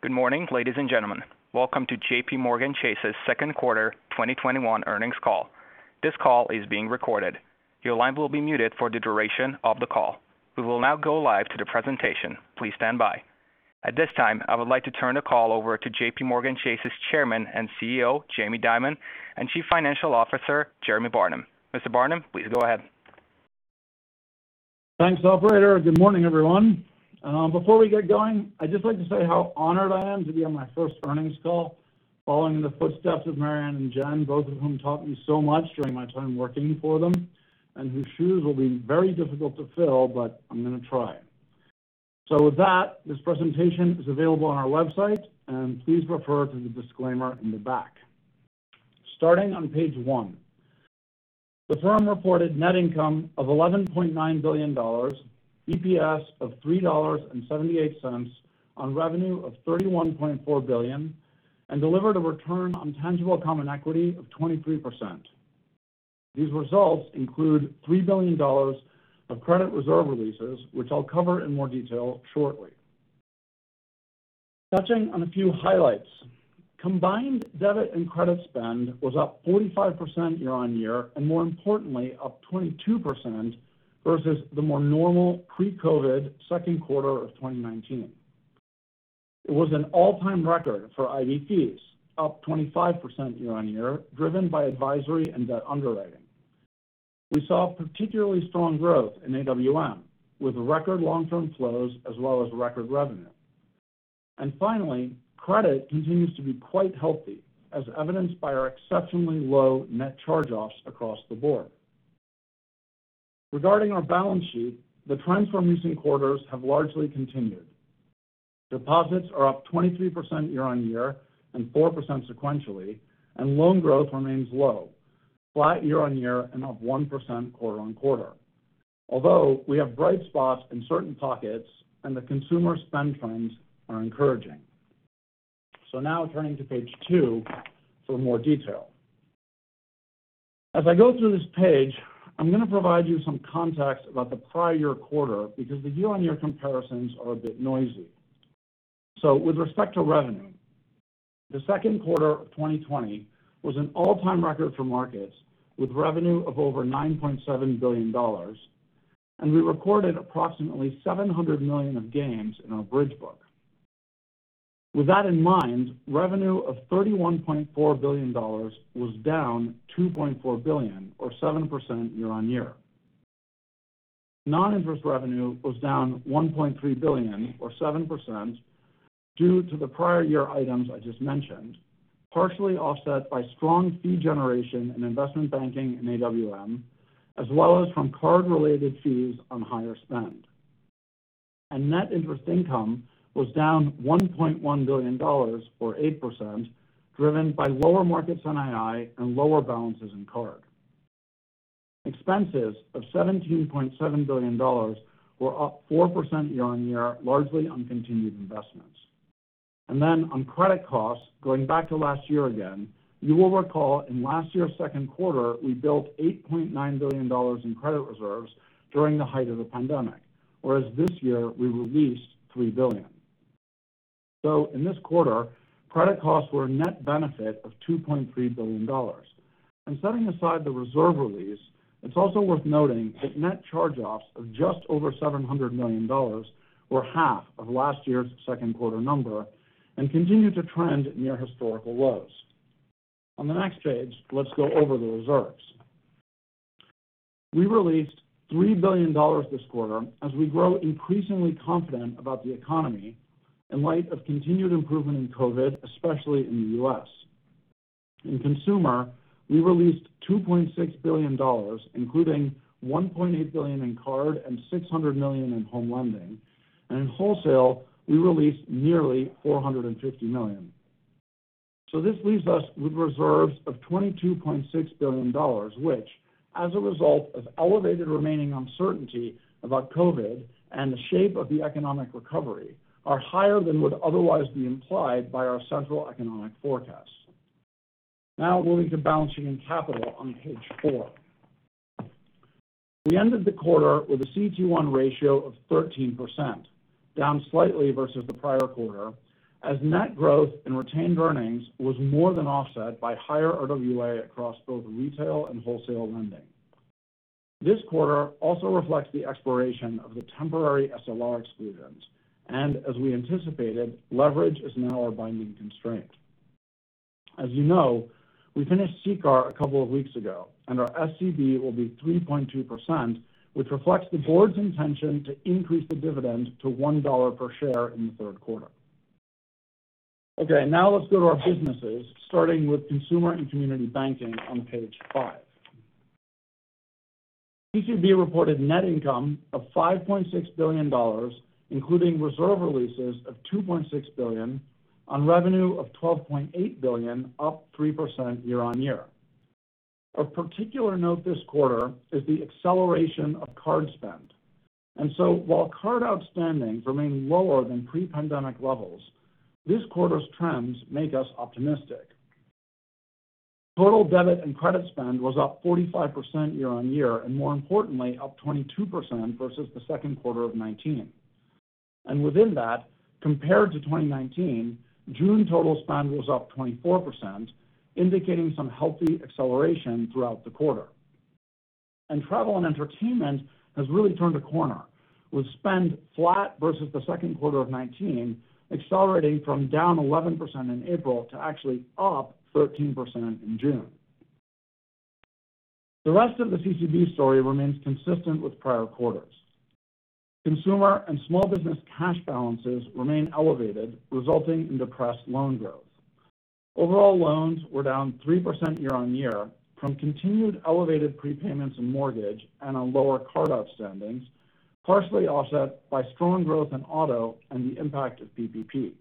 Good morning, ladies and gentlemen. Welcome to JPMorgan Chase & Co.'s second quarter 2021 earnings call. This call is being recorded. Your lines will be muted for the duration of the call. We will now go live to the presentation. Please stand by. At this time, I would like to turn the call over to JPMorgan Chase & Co.'s Chairman and CEO, Jamie Dimon, and Chief Financial Officer, Jeremy Barnum. Mr. Barnum, please go ahead. Thanks, operator. Good morning, everyone. Before we get going, I'd just like to say how honored I am to be on my first earnings call following in the footsteps of Marianne and Jen, both of whom taught me so much during my time working for them, and whose shoes will be very difficult to fill, but I'm going to try. With that, this presentation is available on our website, and please refer to the disclaimer in the back. Starting on page 1. The firm reported net income of $11.9 billion, EPS of $3.78 on revenue of $31.4 billion, and delivered a return on tangible common equity of 23%. These results include $3 billion of credit reserve releases, which I'll cover in more detail shortly. Touching on a few highlights, combined debit and credit spend was up 45% year-on-year, more importantly, up 22% versus the more normal pre-COVID second quarter of 2019. It was an all-time record for IB fees, up 25% year-on-year driven by advisory and debt underwriting. We saw particularly strong growth in AWM with record long-term flows as well as record revenue. Finally, credit continues to be quite healthy, as evidenced by our exceptionally low net charge-offs across the board. Regarding our balance sheet, the trends from recent quarters have largely continued. Deposits are up 23% year-on-year and 4% sequentially, loan growth remains low, flat year-on-year and up 1% quarter-on-quarter. Although we have bright spots in certain pockets and the consumer spend trends are encouraging. Now turning to page 2 for more detail. As I go through this page, I'm going to provide you some context about the prior year quarter because the year-on-year comparisons are a bit noisy. With respect to revenue, the second quarter of 2020 was an all-time record for markets with revenue of over $9.7 billion, and we recorded approximately $700 million of gains in our bridge book. With that in mind, revenue of $31.4 billion was down $2.4 billion or 7% year-on-year. Non-interest revenue was down $1.3 billion or 7% due to the prior year items I just mentioned, partially offset by strong fee generation in investment banking and AWM, as well as from card-related fees on higher spend. Net interest income was down $1.1 billion or 8%, driven by lower markets NII and lower balances in card. Expenses of $17.7 billion were up 4% year-on-year, largely on continued investments. On credit costs, going back to last year again, you will recall in last year's second quarter, we built $8.9 billion in credit reserves during the height of the pandemic, whereas this year we released $3 billion. In this quarter, credit costs were a net benefit of $2.3 billion. Setting aside the reserve release, it's also worth noting that net charge-offs of just over $700 million were half of last year's second quarter number and continue to trend near historical lows. On the next page, let's go over the reserves. We released $3 billion this quarter as we grow increasingly confident about the economy in light of continued improvement in COVID, especially in the U.S. In Consumer, we released $2.6 billion, including $1.8 billion in card and $600 million in home lending. In wholesale, we released nearly $450 million. This leaves us with reserves of $22.6 billion, which as a result of elevated remaining uncertainty about COVID and the shape of the economic recovery, are higher than would otherwise be implied by our central economic forecast. Moving to balance sheet and capital on page 4. We ended the quarter with a CET1 ratio of 13%, down slightly versus the prior quarter, as net growth in retained earnings was more than offset by higher RWA across both retail and wholesale lending. This quarter also reflects the expiration of the temporary SLR exclusions, and as we anticipated, leverage is now our binding constraint. As you know, we finished CCAR a couple of weeks ago, and our SCB will be 3.2%, which reflects the board's intention to increase the dividend to $1 per share in the third quarter. Okay, now let's go to our businesses, starting with Consumer and Community Banking on page 5. CCB reported net income of $5.6 billion, including reserve releases of $2.6 billion on revenue of $12.8 billion, up 3% year-on-year. Of particular note this quarter is the acceleration of card spend. While card outstandings remain lower than pre-pandemic levels, this quarter's trends make us optimistic. Total debit and credit spend was up 45% year-on-year, and more importantly, up 22% versus the second quarter of 2019. Within that, compared to 2019, June total spend was up 24%, indicating some healthy acceleration throughout the quarter. Travel and entertainment has really turned a corner, with spend flat versus the second quarter of 2019, accelerating from down 11% in April to actually up 13% in June. The rest of the CCB story remains consistent with prior quarters. Consumer and small business cash balances remain elevated, resulting in depressed loan growth. Overall loans were down 3% year-on-year from continued elevated prepayments in mortgage and a lower card outstanding, partially offset by strong growth in auto and the impact of PPP.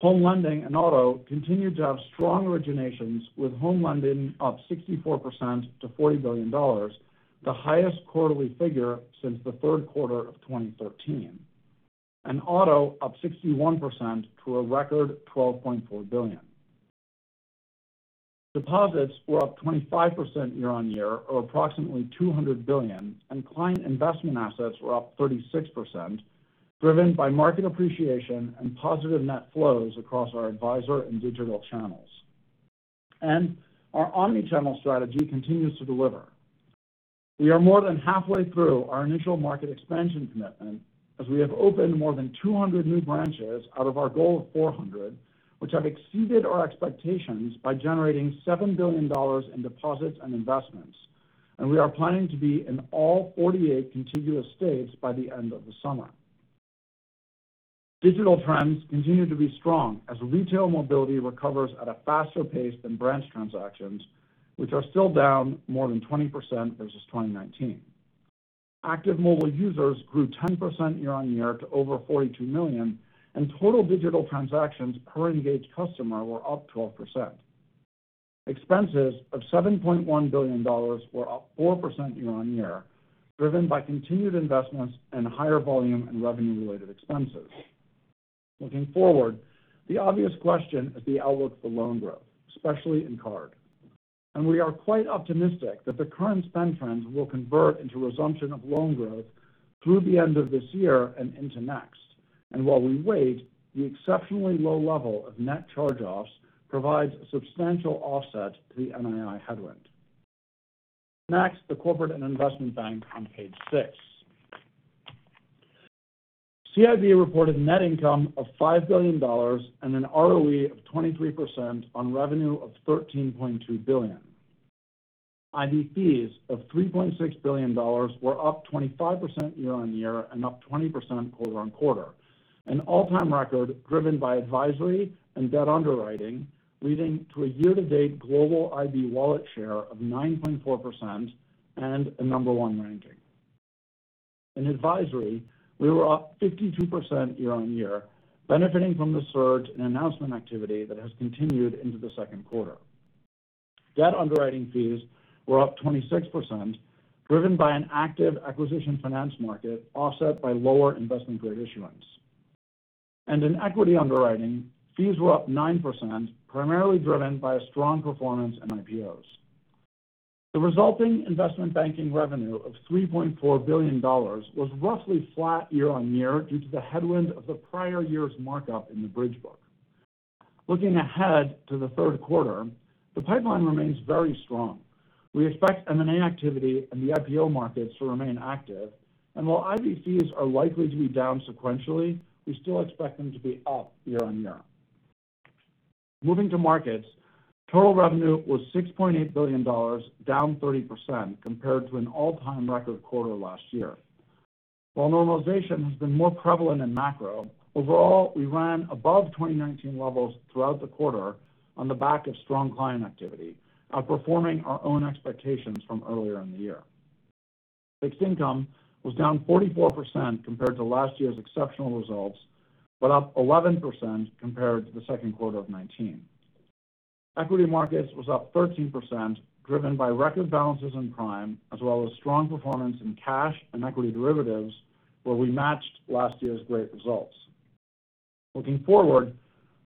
Home lending and auto continued to have strong originations, with home lending up 64% to $40 billion, the highest quarterly figure since the third quarter of 2013, and auto up 61% to a record $12.4 billion. Deposits were up 25% year-on-year or approximately $200 billion. Client investment assets were up 36%, driven by market appreciation and positive net flows across our advisor and digital channels. Our omnichannel strategy continues to deliver. We are more than halfway through our initial market expansion commitment, as we have opened more than 200 new branches out of our goal of 400, which have exceeded our expectations by generating $7 billion in deposits and investments. We are planning to be in all 48 contiguous states by the end of the summer. Digital trends continue to be strong as retail mobility recovers at a faster pace than branch transactions, which are still down more than 20% versus 2019. Active mobile users grew 10% year-on-year to over 42 million, and total digital transactions per engaged customer were up 12%. Expenses of $7.1 billion were up 4% year-on-year, driven by continued investments and higher volume and revenue-related expenses. Looking forward, the obvious question is the outlook for loan growth, especially in card. We are quite optimistic that the current spend trends will convert into resumption of loan growth through the end of this year and into next. While we wait, the exceptionally low level of Net Charge-Offs provides a substantial offset to the NII headwind. Next, the Corporate & Investment Bank on page 6. CIB reported net income of $5 billion and an ROE of 23% on revenue of $13.2 billion. IB fees of $3.6 billion were up 25% year-on-year and up 20% quarter-on-quarter, an all-time record driven by advisory and debt underwriting, leading to a year-to-date global IB wallet share of 9.4% and a number 1 ranking. In advisory, we were up 52% year-on-year, benefiting from the surge in announcement activity that has continued into the second quarter. Debt underwriting fees were up 26%, driven by an active acquisition finance market offset by lower investment-grade issuance. In equity underwriting, fees were up 9%, primarily driven by strong performance in IPOs. The resulting investment banking revenue of $3.4 billion was roughly flat year-on-year due to the headwind of the prior year's markup in the bridge book. Looking ahead to the third quarter, the pipeline remains very strong. We expect M&A activity and the IPO markets to remain active, and while IB fees are likely to be down sequentially, we still expect them to be up year-on-year. Moving to markets, total revenue was $6.8 billion, down 30% compared to an all-time record quarter last year. While normalization has been more prevalent in macro, overall, we ran above 2019 levels throughout the quarter on the back of strong client activity, outperforming our own expectations from earlier in the year. Fixed income was down 44% compared to last year's exceptional results, but up 11% compared to the second quarter of 2019. Equity markets was up 13%, driven by record balances in prime, as well as strong performance in cash and equity derivatives, where we matched last year's great results. Looking forward,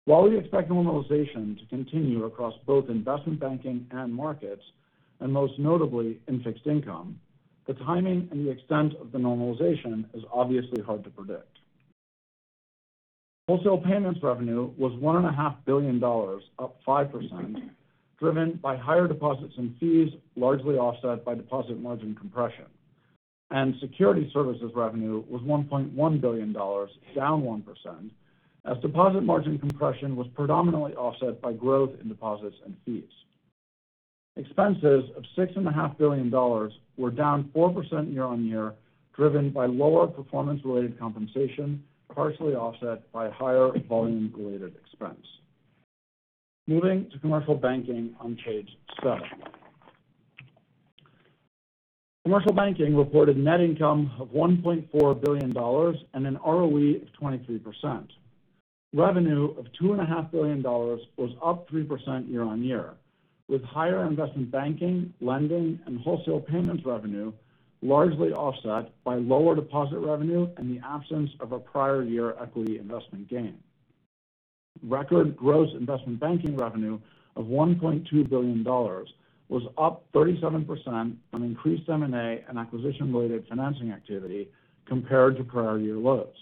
while we expect normalization to continue across both investment banking and markets, and most notably in fixed income, the timing and the extent of the normalization is obviously hard to predict. Wholesale Payments revenue was $1.5 billion, up 5%, driven by higher deposits in fees, largely offset by deposit margin compression. Security services revenue was $1.1 billion, down 1%, as deposit margin compression was predominantly offset by growth in deposits and fees. Expenses of $6.5 billion were down 4% year-on-year, driven by lower performance-related compensation, partially offset by higher volume-related expense. Moving to Commercial Banking on page 7. Commercial Banking reported net income of $1.4 billion and an ROE of 23%. Revenue of $2.5 billion was up 3% year-on-year with higher investment banking, lending, and wholesale payments revenue. Largely offset by lower deposit revenue and the absence of a prior year equity investment gain. Record gross investment banking revenue of $1.2 billion was up 37% on increased M&A and acquisition-related financing activity compared to prior year lows.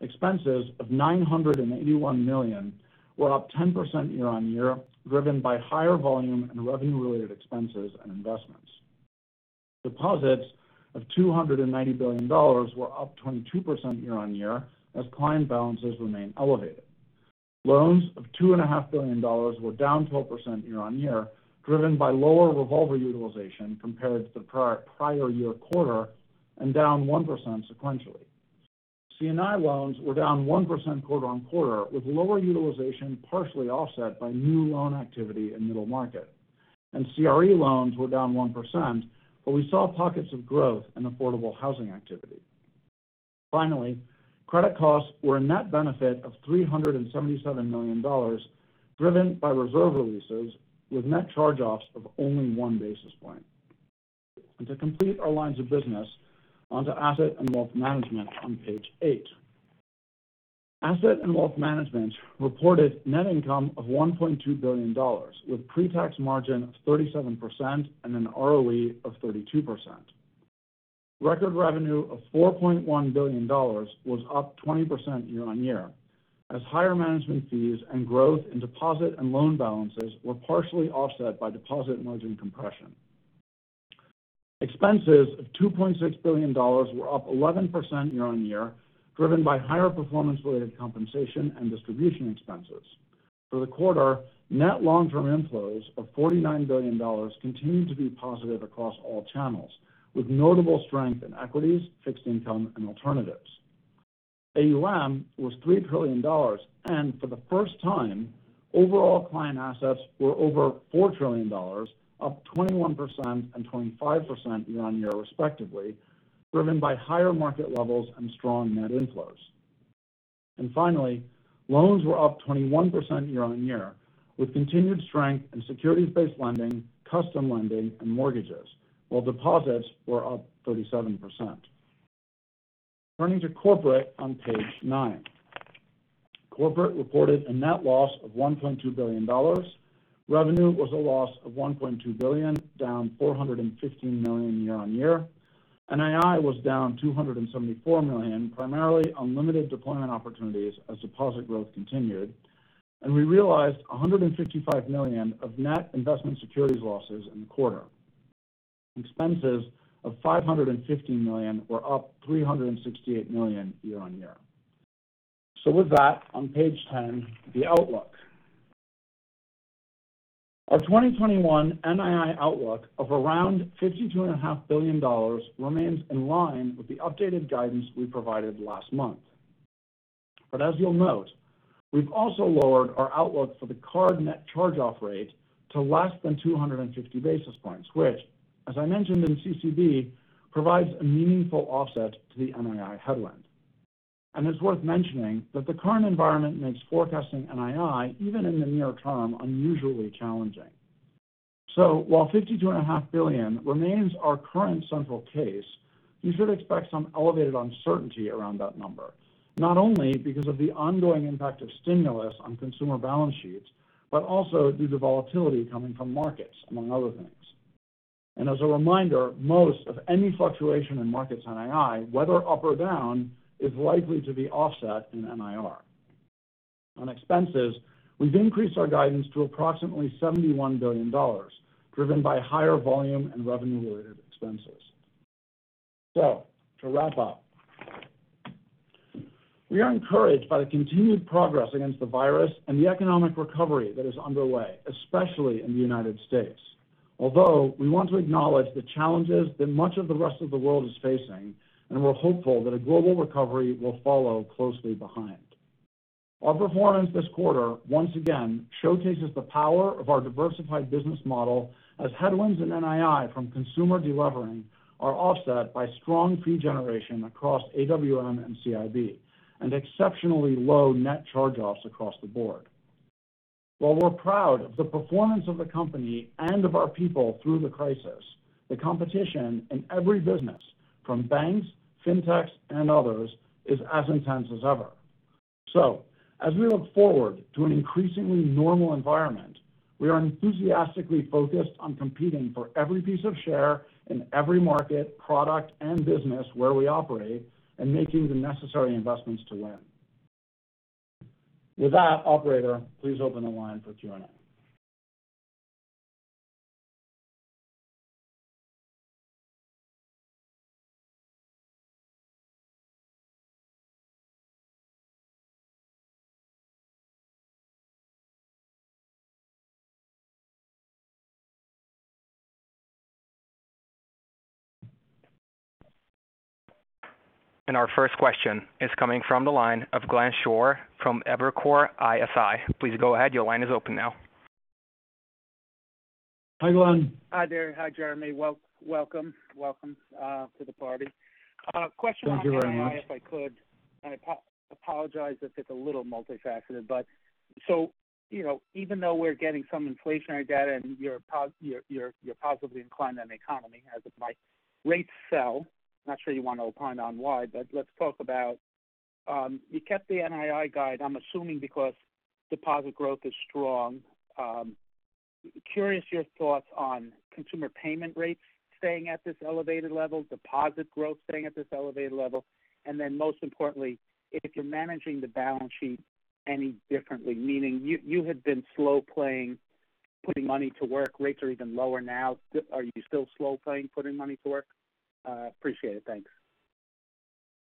Expenses of $981 million were up 10% year-on-year, driven by higher volume and revenue-related expenses and investments. Deposits of $290 billion were up 22% year-on-year as client balances remain elevated. Loans of $25 billion were down 12% year-on-year, driven by lower revolver utilization compared to the prior year quarter, and down 1% sequentially. C&I loans were down 1% quarter-on-quarter, with lower utilization partially offset by new loan activity in middle market. CRE loans were down 1%, but we saw pockets of growth in affordable housing activity. Finally, credit costs were a net benefit of $377 million, driven by reserve releases with net charge-offs of only 1 basis point. To complete our lines of business, onto Asset & Wealth Management on page 8. Asset & Wealth Management reported net income of $1.2 billion, with pre-tax margin of 37% and an ROE of 32%. Record revenue of $4.1 billion was up 20% year-on-year, as higher management fees and growth in deposit and loan balances were partially offset by deposit margin compression. Expenses of $2.6 billion were up 11% year-on-year, driven by higher performance-related compensation and distribution expenses. For the quarter, net long-term inflows of $49 billion continued to be positive across all channels, with notable strength in equities, fixed income, and alternatives. AUM was $3 trillion. For the first time, overall client assets were over $4 trillion, up 21% and 25% year-on-year respectively, driven by higher market levels and strong net inflows. Finally, loans were up 21% year-on-year, with continued strength in securities-based lending, custom lending, and mortgages, while deposits were up 37%. Turning to Corporate on page 9. Corporate reported a net loss of $1.2 billion. Revenue was a loss of $1.2 billion, down $415 million year-on-year. NII was down $274 million, primarily on limited deployment opportunities as deposit growth continued. We realized $155 million of net investment securities losses in the quarter. Expenses of $550 million were up $368 million year-on-year. With that, on page 10, the outlook. Our 2021 NII outlook of around $52.5 billion remains in line with the updated guidance we provided last month. As you'll note, we've also lowered our outlook for the card net charge-off rate to less than 250 basis points, which, as I mentioned in CCB, provides a meaningful offset to the NII headwind. It's worth mentioning that the current environment makes forecasting NII, even in the near term, unusually challenging. While $52.5 billion remains our current central case, you should expect some elevated uncertainty around that number, not only because of the ongoing impact of stimulus on consumer balance sheets, but also due to volatility coming from markets, among other things. As a reminder, most of any fluctuation in markets NII, whether up or down, is likely to be offset in NIR. On expenses, we've increased our guidance to approximately $71 billion, driven by higher volume and revenue-related expenses. To wrap up, we are encouraged by the continued progress against the virus and the economic recovery that is underway, especially in the United States. Although we want to acknowledge the challenges that much of the rest of the world is facing, and we're hopeful that a global recovery will follow closely behind. Our performance this quarter once again showcases the power of our diversified business model as headwinds in NII from consumer de-levering are offset by strong fee generation across AWM and CIB, and exceptionally low net charge-offs across the board. While we're proud of the performance of the company and of our people through the crisis, the competition in every business, from banks, fintechs, and others, is as intense as ever. As we look forward to an increasingly normal environment, we are enthusiastically focused on competing for every piece of share in every market, product, and business where we operate and making the necessary investments to win. With that, operator, please open the line for Q&A. Our first question is coming from the line of Glenn Schorr from Evercore ISI. Please go ahead. Your line is open now. Hi, Glenn. Hi there. Hi, Jeremy. Welcome to the party. A question on NII, if I could. I apologize if it's a little multifaceted. Even though we're getting some inflationary data and you're positively inclined on the economy as it might accerelate, I'm not sure you want to opine on why, let's talk about you kept the NII guide, I'm assuming because deposit growth is strong. Curious your thoughts on consumer payment rates staying at this elevated level, deposit growth staying at this elevated level, and then most importantly, if you're managing the balance sheet any differently, meaning you had been slow playing putting money to work rates are even lower now. Are you still slow playing putting money to work? Appreciate it. Thanks.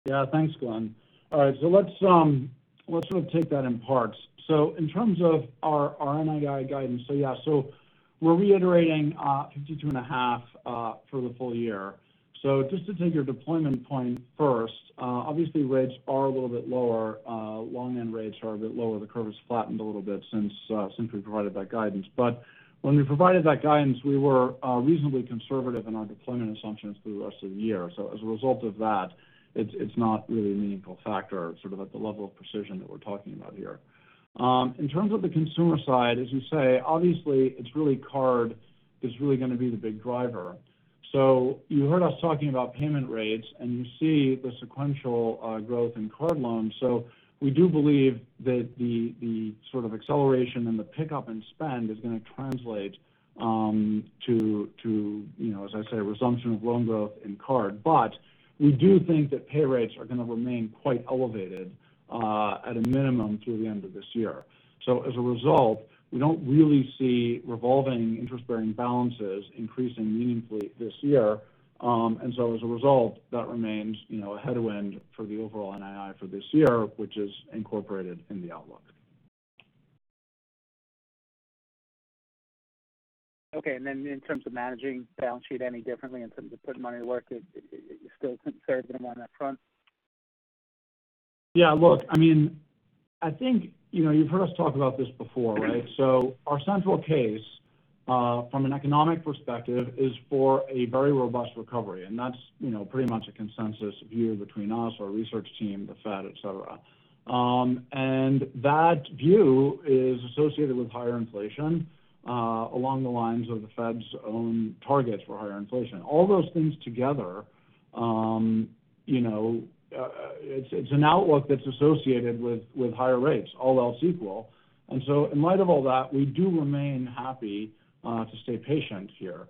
Yeah. Thanks, Glenn. All right. Let's really take that in parts. In terms of our NII guidance, yeah, we're reiterating 52 and a half for the full year. Just to take your deployment point first, obviously rates are a little bit lower. Long end rates are a bit lower. The curve has flattened a little bit since we provided that guidance. When we provided that guidance, we were reasonably conservative in our deployment assumptions for the rest of the year. As a result of that, it's not really a meaningful factor at the level of precision that we're talking about here. In terms of the consumer side, as you say, obviously, it's really card is really going to be the big driver. You heard us talking about payment rates, and you see the sequential growth in card loans. We do believe that the sort of acceleration and the pickup in spend is going to translate to, as I say, resumption of loan growth in card. We do think that pay rates are going to remain quite elevated at a minimum through the end of this year. As a result, we don't really see revolving interest-bearing balances increasing meaningfully this year. As a result, that remains a headwind for the overall NII for this year, which is incorporated in the outlook. Okay. In terms of managing balance sheet any differently in terms of putting money to work, you still conservative on that front? Yeah. Look, I think you've heard us talk about this before, right? Our central case from an economic perspective is for a very robust recovery, and that's pretty much a consensus view between us, our research team, the Fed, et cetera. That view is associated with higher inflation along the lines of the Fed's own targets for higher inflation. All those things together, it's an outlook that's associated with higher rates, all else equal. In light of all that, we do remain happy to stay patient here.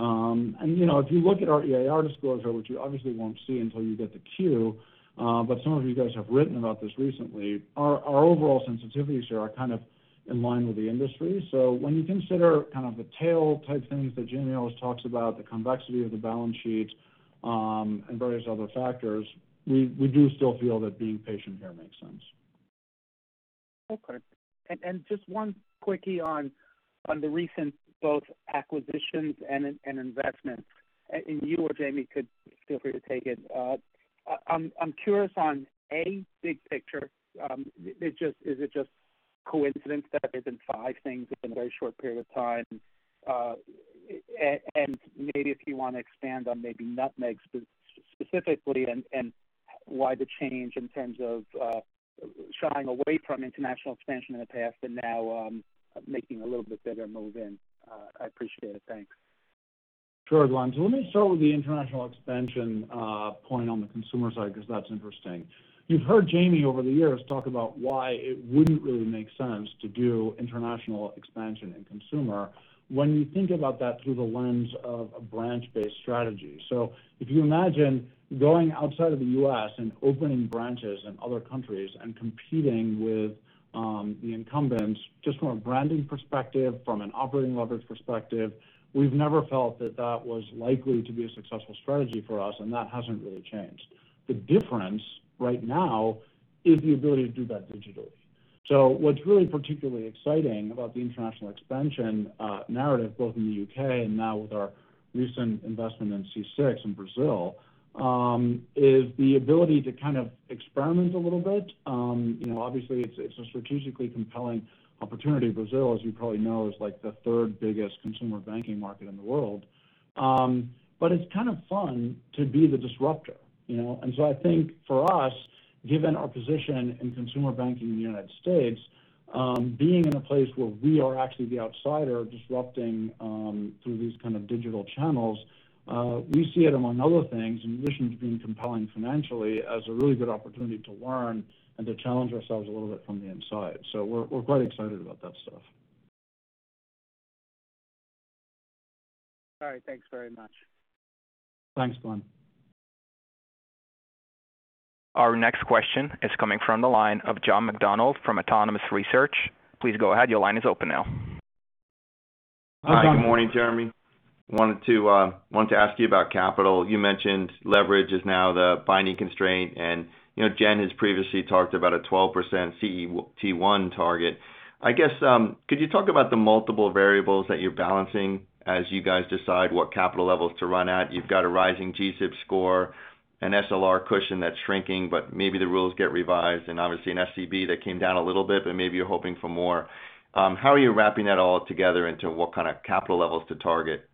If you look at our EAR disclosure, which you obviously won't see until you get the Q, but some of you guys have written about this recently. Our overall sensitivities here are kind of in line with the industry. When you consider kind of the tail type things that Jamie always talks about, the complexity of the balance sheet, and various other factors, we do still feel that being patient here makes sense. Okay. Just one quickie on the recent both acquisitions and investments, and you or Jamie could feel free to take it. I'm curious on A, big picture. Is it just coincidence that there's been five things in a very short period of time? Maybe if you want to expand on maybe Nutmeg specifically and why the change in terms of shying away from international expansion in the past and now making a little bit bigger move in. I appreciate it. Thanks. Sure, Glenn. Let me start with the international expansion point on the consumer side because that's interesting. You've heard Jamie Dimon over the years talk about why it wouldn't really make sense to do international expansion in consumer when you think about that through the lens of a branch-based strategy. If you imagine going outside of the U.S. and opening branches in other countries and competing with the incumbents, just from a branding perspective, from an operating model perspective, we've never felt that that was likely to be a successful strategy for us, and that hasn't really changed. The difference right now is the ability to do that digitally. What's really particularly exciting about the international expansion narrative, both in the U.K. and now with our recent investment in C6 in Brazil is the ability to kind of experiment a little bit. Obviously it's a strategically compelling opportunity. Brazil, as you probably know, is the third biggest consumer banking market in the world. It's kind of fun to be the disruptor. I think for us, given our position in consumer banking in the United States being in a place where we are actually the outsider disrupting through these kind of digital channels we see it among other things, in addition to being compelling financially as a really good opportunity to learn and to challenge ourselves a little bit from the inside. We're quite excited about that stuff. All right. Thanks very much. Thanks, Glenn. Our next question is coming from the line of John McDonald from Autonomous Research. Please go ahead. Your line is open now. Hi. Good morning, Jeremy. Wanted to ask you about capital. You mentioned leverage is now the binding constraint, and Jen has previously talked about a 12% CET1 target. I guess could you talk about the multiple variables that you're balancing as you guys decide what capital levels to run at? You've got a rising G-SIB score, an SLR cushion that's shrinking, but maybe the rules get revised and obviously an SCB that came down a little bit, but maybe you're hoping for more. How are you wrapping that all up together into what kind of capital levels to target?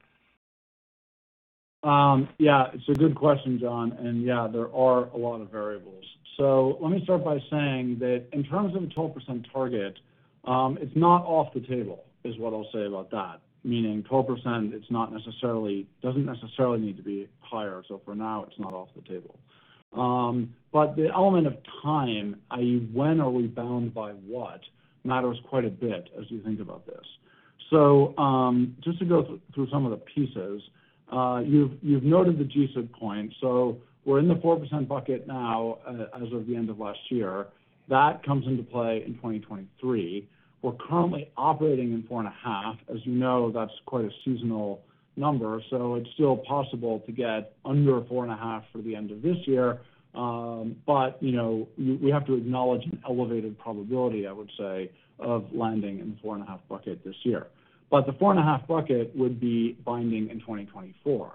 It's a good question, John. There are a lot of variables. Let me start by saying that in terms of the 12% target, it's not off the table, is what I'll say about that. Meaning 12%, doesn't necessarily need to be higher. For now, it's not off the table. The element of time, i.e., when are we bound by what, matters quite a bit as we think about this. Just to go through some of the pieces. You've noted the G-SIB point. We're in the 4% bucket now as of the end of last year. That comes into play in 2023. We're currently operating in 4.5%. As you know, that's quite a seasonal number. It's still possible to get under 4.5% for the end of this year. We have to acknowledge an elevated probability, I would say, of landing in the 4.5% bucket this year. The 4.5% bucket would be binding in 2024.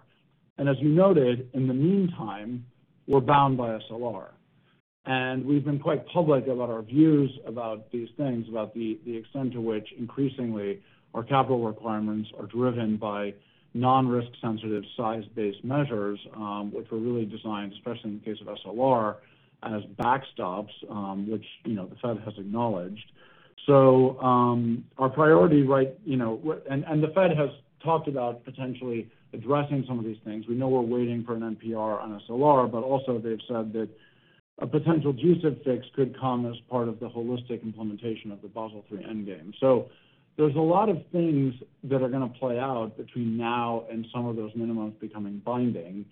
As you noted, in the meantime, we're bound by SLR. We've been quite public about our views about these things, about the extent to which increasingly our capital requirements are driven by non-risk sensitive size-based measures which are really designed, especially in the case of SLR, as backstops which the Fed has acknowledged. Our priority, and the Fed has talked about potentially addressing some of these things. We know we're waiting for an NPR on SLR, but also they've said that a potential G-SIB fix could come as part of the holistic implementation of the Basel III endgame. There's a lot of things that are going to play out between now and some of those minimums becoming binding.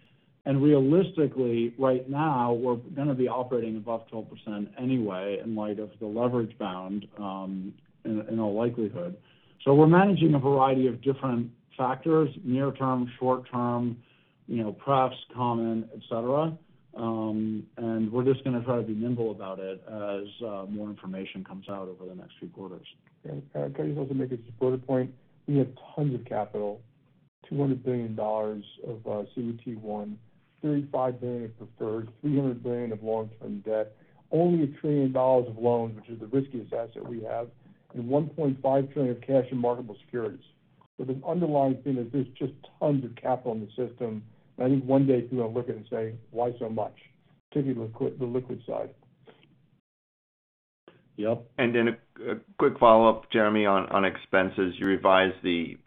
Realistically, right now, we're going to be operating above 12% anyway in light of the leverage bound in all likelihood. We're managing a variety of different factors, near term, short term, pref, common, et cetera. We're just going to try to be nimble about it as more information comes out over the next few quarters. Can I just also make a supportive point? We have tons of capital, $200 billion of CET1, $35 billion of preferred, $300 billion of long-term debt, only $1 trillion of loans, which are the riskiest assets we have, and $1.5 trillion of cash and marketable securities. The underlying thing is there's just tons of capital in the system. I think one day people are looking and saying, "Why so much?" Particularly the liquid side. Yep. A quick follow-up, Jeremy, on expenses. You revised the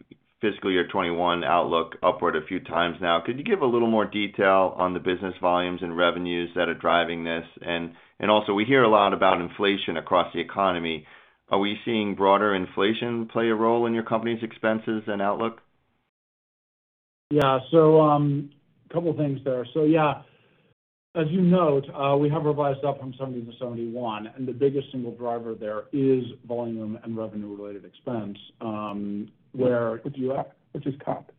fiscal year 2021 outlook upward a few times now. Could you give a little more detail on the business volumes and revenues that are driving this? Also we hear a lot about inflation across the economy. Are we seeing broader inflation play a role in your company's expenses and outlook? Yeah. A couple of things there. Yeah, as you note, we have revised up from $70 billion to $71 billion, and the biggest single driver there is volume and revenue-related expense. Which is comp.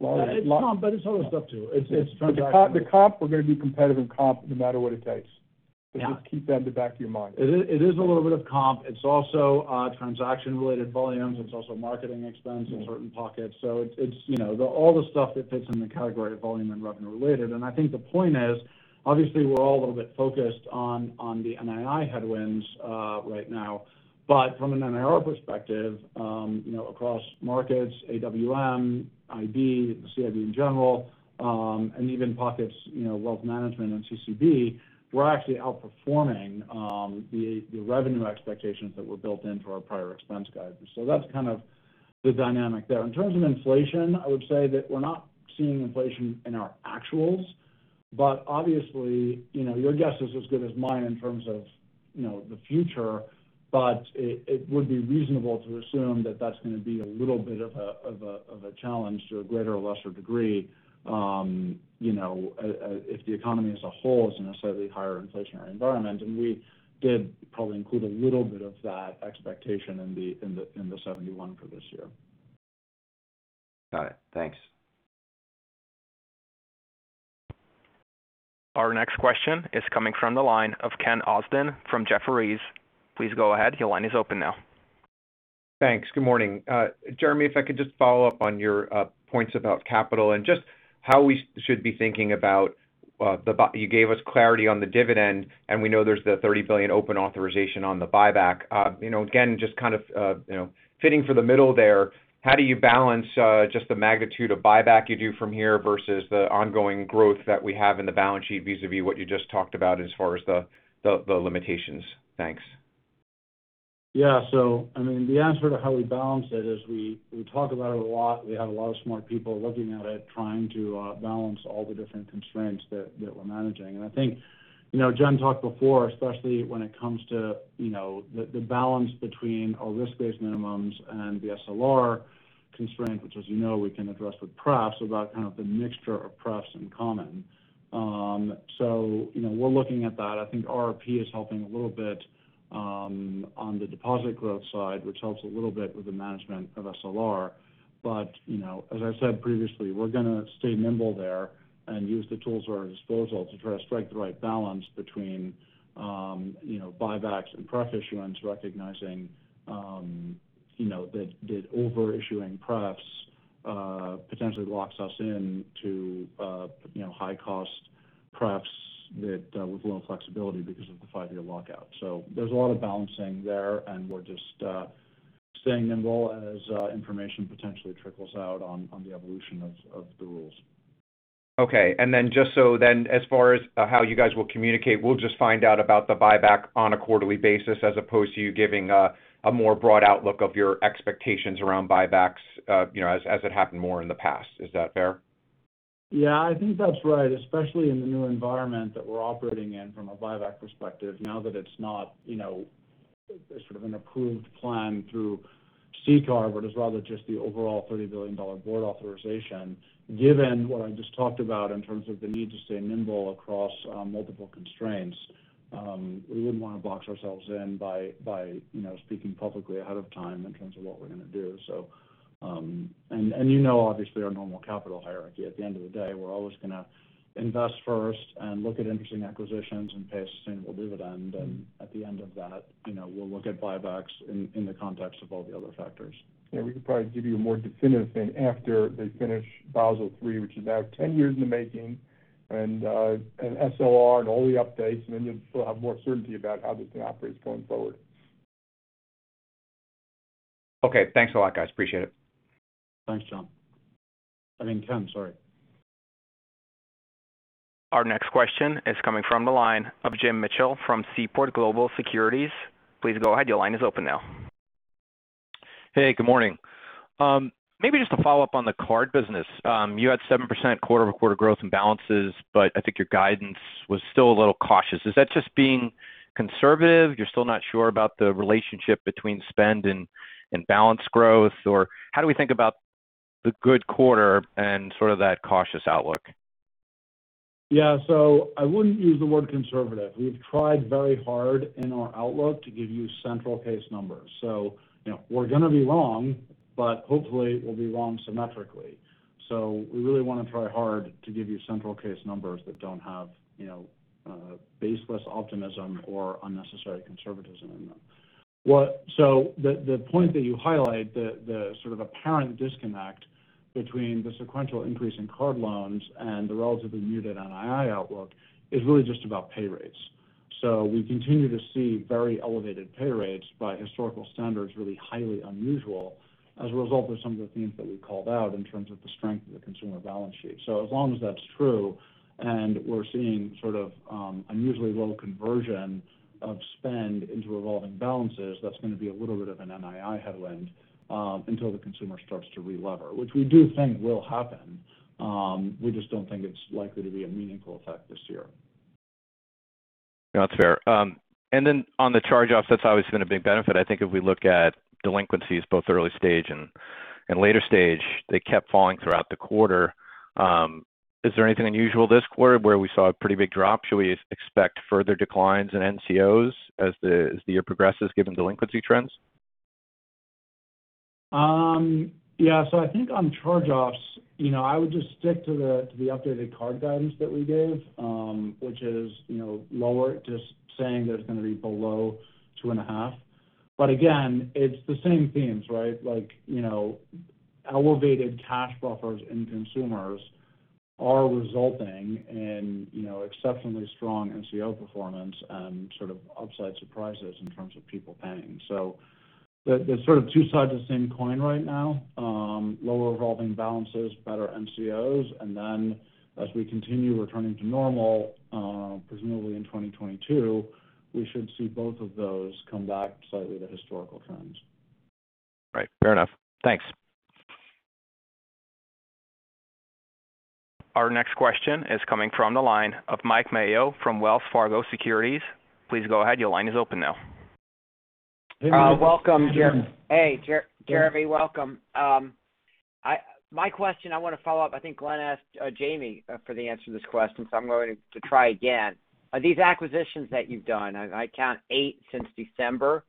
Yeah, it's comp, but it's other stuff too. The comp we're going to be competitive in comp no matter what it takes. Yeah. Just keep that in the back of your mind. It is a little bit of comp. It's also transaction-related volumes. It's also marketing expense in certain pockets. It's all the stuff that fits in the category of volume and revenue related. I think the point is, obviously we're all a little bit focused on the NII headwinds right now. From an NII perspective across markets, AWM, IB, the CIB in general, and even pockets, wealth management and CCB, we're actually outperforming the revenue expectations that were built in for our prior expense guidance. That's kind of the dynamic there. In terms of inflation, I would say that we're not seeing inflation in our actuals, but obviously, your guess is as good as mine in terms of the future. It would be reasonable to assume that that's going to be a little bit of a challenge to a greater or lesser degree if the economy as a whole is in a slightly higher inflationary environment. We did probably include a little bit of that expectation in the $71 billion for this year. Got it. Thanks. Our next question is coming from the line of Ken Usdin from Jefferies. Please go ahead. Your line is open now. Thanks. Good morning. Jeremy, if I could just follow up on your points about capital and just how we should be thinking about the buy. You gave us clarity on the dividend. We know there's the $30 billion open authorization on the buyback. Again, just kind of fitting for the middle there. How do you balance just the magnitude of buyback you do from here versus the ongoing growth that we have in the balance sheet vis-a-vis what you just talked about as far as the limitations? Thanks. Yeah. The answer to how we balance it is we talk about it a lot. We have a lot of smart people looking at it, trying to balance all the different constraints that we're managing. I think Jen Piepszak talked before, especially when it comes to the balance between our risk-based minimums and the SLR constraint, which as you know we can address with pref, so that kind of a mixture of pref and common. We're looking at that. I think RRP is helping a little bit on the deposit growth side, which helps a little bit with the management of SLR. As I said previously, we're going to stay nimble there and use the tools at our disposal to try to strike the right balance between buybacks and pref issuance, recognizing that over-issuing pref potentially locks us into high cost, perhaps with a little flexibility because of the five-year lockout. There's a lot of balancing there, and we're just staying nimble as information potentially trickles out on the evolution of the rules. Okay. As far as how you guys will communicate, we'll just find out about the buyback on a quarterly basis as opposed to you giving a more broad outlook of your expectations around buybacks as it happened more in the past. Is that fair? Yeah, I think that's right, especially in the new environment that we're operating in from a buyback perspective now that it's not sort of an approved plan through CCAR, but it's rather just the overall $30 billion board authorization. Given what I just talked about in terms of the need to stay nimble across multiple constraints, we wouldn't want to box ourselves in by speaking publicly out of time in terms of what we're going to do. You know obviously our normal capital hierarchy at the end of the day, we're always going to invest first and look at interesting acquisitions and pay a sustainable dividend. At the end of that, we'll look at buybacks in the context of all the other factors. Yeah, we could probably give you a more definitive thing after they finish Basel III, which is now 10 years in the making, and SLR and all the updates, and then still have more certainty about how this can operate going forward. Okay. Thanks a lot, guys. Appreciate it. Thanks, John. I mean Tim, sorry. Our next question is coming from the line of Jim Mitchell from Seaport Global Securities. Please go ahead. Your line is open now. Hey, good morning. Maybe just to follow up on the card business. You had 7% quarter-over-quarter growth in balances, but I think your guidance was still a little cautious. Is that just being conservative? You're still not sure about the relationship between spend and balance growth, or how do we think about the good quarter and sort of that cautious outlook? I wouldn't use the word conservative. We've tried very hard in our outlook to give you central case numbers. We're going to be wrong, but hopefully we'll be wrong symmetrically. We really want to try hard to give you central case numbers that don't have baseless optimism or unnecessary conservatism in them. The point that you highlight, the sort of apparent disconnect between the sequential increase in card loans and the relatively muted NII outlook is really just about pay rates. We continue to see very elevated pay rates by historical standards, really highly unusual as a result of some of the themes that we called out in terms of the strength of the consumer balance sheet. As long as that's true and we're seeing sort of unusually low conversion of spend into revolving balances, that's going to be a little bit of an NII headwind until the consumer starts to relever, which we do think will happen. We just don't think it's likely to be a meaningful effect this year. No, that's fair. On the charge-offs, that's always been a big benefit. I think if we look at delinquencies both early stage and later stage, they kept falling throughout the quarter. Is there anything unusual this quarter where we saw a pretty big drop? Should we expect further declines in NCOs as the year progresses given delinquency trends? I think on charge-offs, I would just stick to the updated card guidance that we gave, which is lower, just saying that it's going to be below 2.5%. Again, it's the same themes, right? Like elevated cash buffers in consumers are resulting in exceptionally strong NCO performance and sort of upside surprises in terms of people paying. They're sort of two sides of the same coin right now. Lower revolving balances, better NCOs, as we continue returning to normal presumably in 2022, we should see both of those come back slightly to historical trends. Right. Fair enough. Thanks. Our next question is coming from the line of Mike Mayo from Wells Fargo Securities. Please go ahead. Your line is open now. Welcome. Hey, Jeremy. Welcome. My question. I want to follow up. I think Glenn asked Jamie for the answer to this question. I'm going to try again. These acquisitions that you've done, I count eight since December.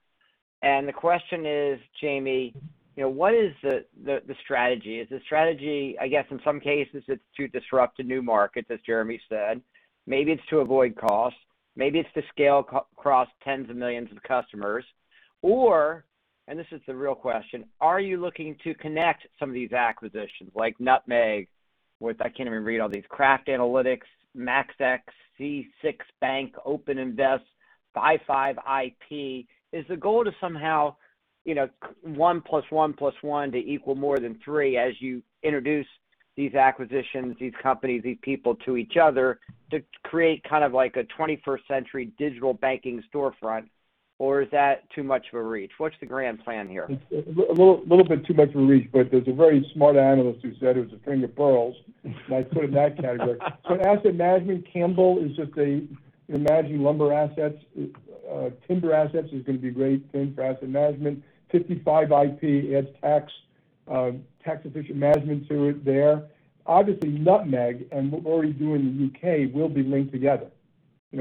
The question is, Jamie, what is the strategy? Is the strategy, I guess, in some cases it's to disrupt a new market, as Jeremy said. Maybe it's to avoid cost. Maybe it's to scale across tens of millions of customers. This is the real question, are you looking to connect some of these acquisitions like Nutmeg with, I can't even read all these, Kraft Analytics Group, MAXEX, C6 Bank, OpenInvest, 55ip. Is the goal to somehow 1 plus 1 plus 1 to equal more than 3 as you introduce these acquisitions, these companies, these people to each other to create kind of like a 21st century digital banking storefront, or is that too much of a reach? What's the grand plan here? A little bit too much of a reach, there's a very smart analyst who said it was a string of pearls, and I put it in that category. Asset management, Campbell, is just you're managing lumber assets. Timber assets is going to be a great thing for Asset & Wealth Management. 55ip adds tax efficient management to it there. Obviously Nutmeg and what we're already doing in the U.K. will be linked together.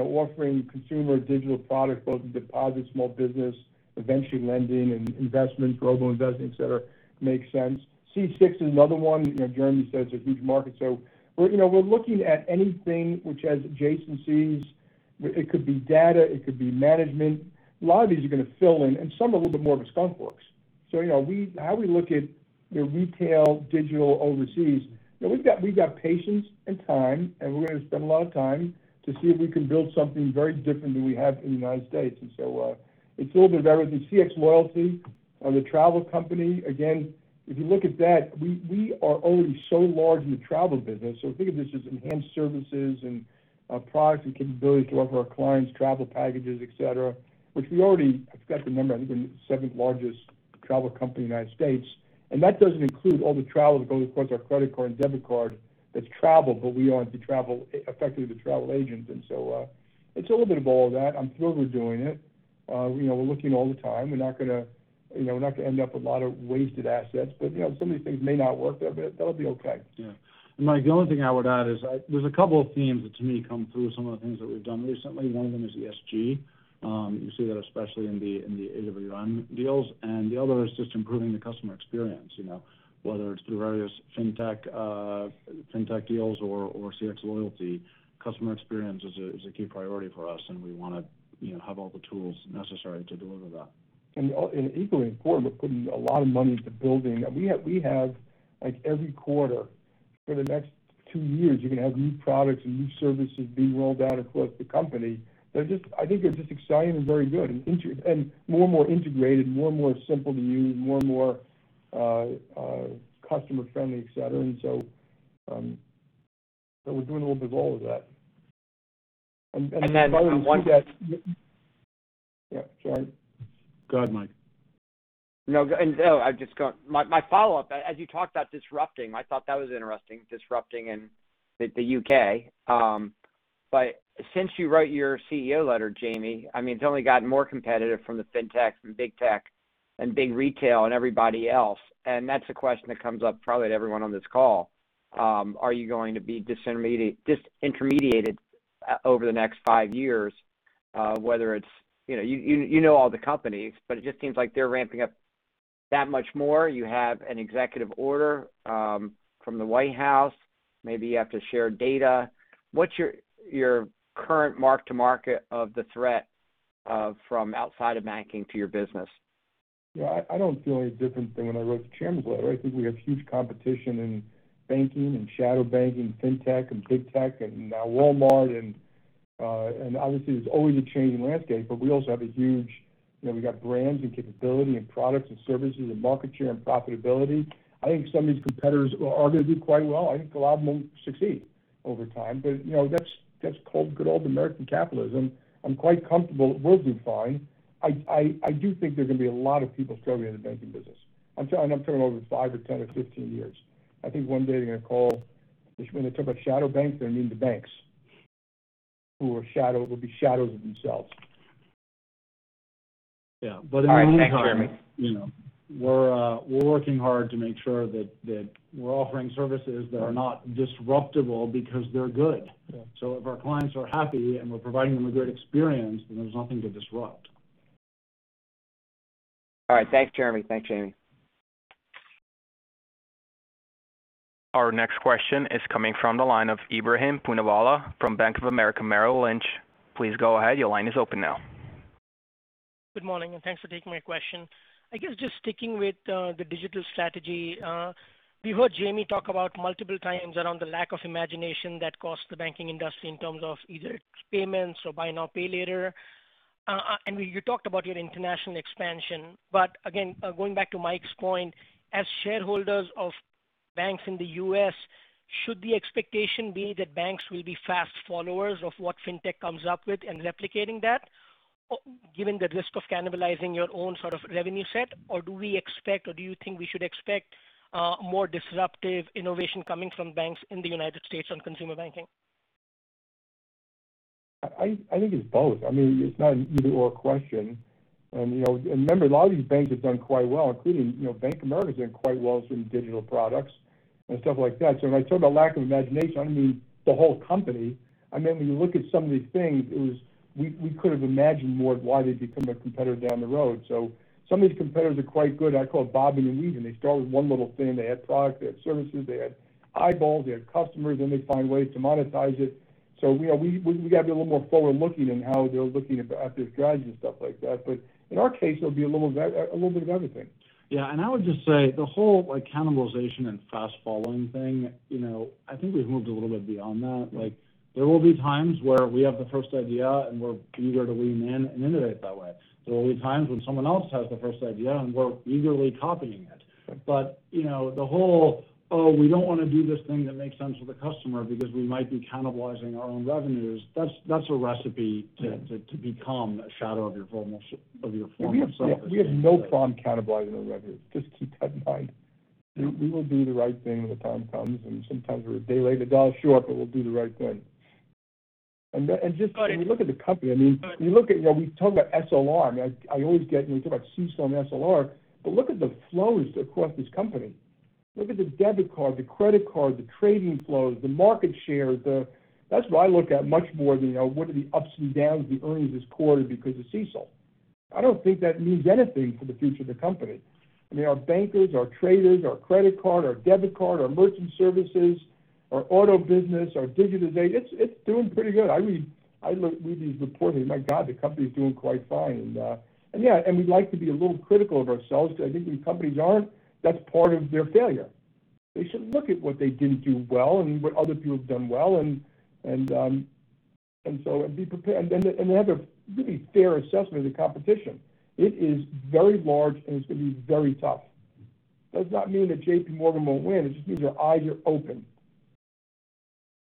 Offering consumer digital product, both deposit small business, eventually lending and investment, global investing, et cetera, makes sense. C6 is another one. Jeremy says a huge market. We're looking at anything which has adjacencies It could be data, it could be management. A lot of these are going to fill in and some are a little bit more of a skunkworks. How we look at retail digital overseas. We've got patience and time, and we're going to spend a lot of time to see if we can build something very different than we have in the U.S. It's a little bit of everything. cxLoyalty or the travel company, again, if you look at that, we are only so large in the travel business. Think of this as enhanced services and products and capabilities to offer our clients travel packages, et cetera, which we already, I forgot the number, I think we're the seventh largest travel company in the United States, and that doesn't include all the travel that goes across our credit card and debit card that's travel, but we aren't effectively the travel agent. It's a little bit of all that. I'm thrilled we're doing it. We're looking all the time. We're not going to end up with a lot of wasted assets, but some of these things may not work, but that'll be okay. Yeah. Mike, the only thing I would add is there's a couple of themes that to me come through some of the things that we've done recently. One of them is ESG. You see that especially in the AWM deals, the other is just improving the customer experience. Whether it's through various fintech deals or cxLoyalty, customer experience is a key priority for us and we want to have all the tools necessary to deliver that. Equally important, we're putting a lot of money into building. We have every quarter for the next 2 years, we're going to have new products and new services being rolled out across the company that I think are just exciting and very good, and more and more integrated, more and more simple to use, more and more customer friendly, et cetera. We're doing a little bit of all of that. And then one- Yeah. Go ahead. Go ahead, Mike. No, I'm just going. My follow-up, as you talked about disrupting, I thought that was interesting, disrupting in the U.K. Since you wrote your CEO letter, Jamie, it's only gotten more competitive from the fintech and big tech and big retail and everybody else, and that's a question that comes up probably to everyone on this call. Are you going to be disintermediated over the next 5 years? You know all the companies, but it just seems like they're ramping up that much more. You have an executive order from the White House. Maybe you have to share data. What's your current mark to market of the threat from outside of banking to your business? I don't feel any different than when I wrote the chairman letter. I think we have huge competition in banking and shadow banking, fintech and big tech, and now Walmart. Obviously there's always a changing landscape, but we also have a huge, we've got brands and capability and products and services and market share and profitability. I think some of these competitors are going to do quite well. I think a lot of them won't succeed over time. That's good old American capitalism. I'm quite comfortable. We'll be fine. I do think there are going to be a lot of people struggling in the banking business. I'm talking over five or 10 or 15 years. I think one day they're going to call, they just going to talk about shadow banks, they're going to mean the banks who will be shadows of themselves. Yeah. All right. Thanks, Jeremy. In the meantime, we're working hard to make sure that we're offering services that are not disruptable because they're good. Yeah. If our clients are happy and we're providing them a good experience, then there's nothing to disrupt. All right. Thanks, Jeremy. Thanks, Jamie. Our next question is coming from the line of Ebrahim Poonawala from Bank of America Merrill Lynch. Please go ahead. Your line is open now. Good morning, thanks for taking my question. I guess just sticking with the digital strategy. We heard Jamie talk about multiple times around the lack of imagination that cost the banking industry in terms of either payments or buy now, pay later. I mean, you talked about your international expansion, but again, going back to Mike's point, as shareholders of banks in the U.S., should the expectation be that banks will be fast followers of what fintech comes up with and replicating that given the risk of cannibalizing your own sort of revenue set? Do we expect, or do you think we should expect more disruptive innovation coming from banks in the United States on consumer banking? I think it's both. I mean, it's not an either/or question. Remember, a lot of these banks have done quite well, including Bank of America's done quite well with certain digital products and stuff like that. When I talk about lack of imagination, I mean the whole company. When you look at some of these things, we could've imagined more why they'd become a competitor down the road. Some of these competitors are quite good. I call it bobbing and weaving. They start with one little thing. They have product, they have services, they have eyeballs, they have customers, then they find ways to monetize it. We got to be a little more forward-looking in how they're looking at their strategy and stuff like that. In our case, it'll be a little bit of everything. Yeah, I would just say the whole cannibalization and fast-following thing, I think we've moved a little bit beyond that. There will be times where we have the first idea, and we're eager to lean in and innovate that way. There will be times when someone else has the first idea, and we're eagerly copying it. The whole, oh, we don't want to do this thing that makes sense for the customer because we might be cannibalizing our own revenues. That's a recipe to become a shadow of your former self. We have no problem cannibalizing our revenues. Just keep that in mind. We will do the right thing when the time comes, and sometimes we're a day late and a $1 short, but we'll do the right thing. Just look at the company. We talk about SLR, and I always get when we talk about CECL and SLR, but look at the flows across this company. Look at the debit card, the credit card, the trading flows, the market share. That's what I look at much more than what are the ups and downs of the earnings this quarter because of CECL. I don't think that means anything for the future of the company. Our bankers, our traders, our credit card, our debit card, our merchant services, our auto business, our digital bank, it's doing pretty good. I read these reports, and my God, the company's doing quite fine. We like to be a little critical of ourselves because I think when companies aren't, that's part of their failure. They should look at what they didn't do well and what other people have done well, and so be prepared. They have a really fair assessment of the competition. It is very large, and it's going to be very tough. Does not mean that JPMorgan will win. It just means your eyes are open.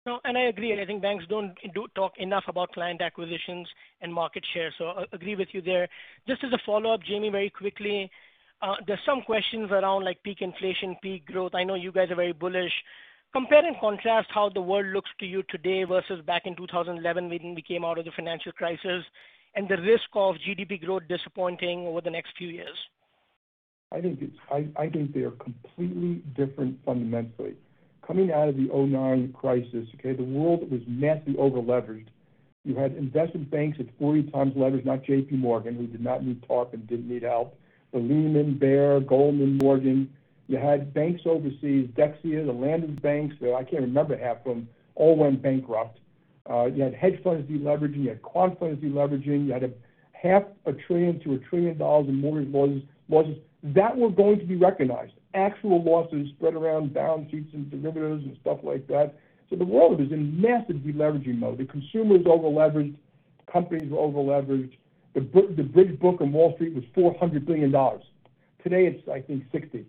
No, I agree. I think banks don't talk enough about client acquisitions and market share. I agree with you there. Just as a follow-up, Jamie, very quickly. There's some questions around peak inflation, peak growth. I know you guys are very bullish. Compare and contrast how the world looks to you today versus back in 2011 when we came out of the financial crisis, and the risk of GDP growth disappointing over the next few years. I think they are completely different fundamentally. Coming out of the 2009 crisis, okay, the world was massively over-leveraged. You had investment banks at 40 times leverage, not JPMorgan, who did not need TARP and didn't need help. The Lehman, Bear, Goldman, Morgan. You had banks overseas, Dexia, the London banks. I can't remember half of them, all went bankrupt. You had hedge funds de-leveraging. You had confidence de-leveraging. You had half a trillion to a trillion dollars in mortgage loans that were going to be recognized. Actual losses spread around balance sheets and perimeters and stuff like that. The world was in massive de-leveraging mode. The consumer is over-leveraged. Companies are over-leveraged. The big book on Wall Street was $400 billion. Today it's I think $60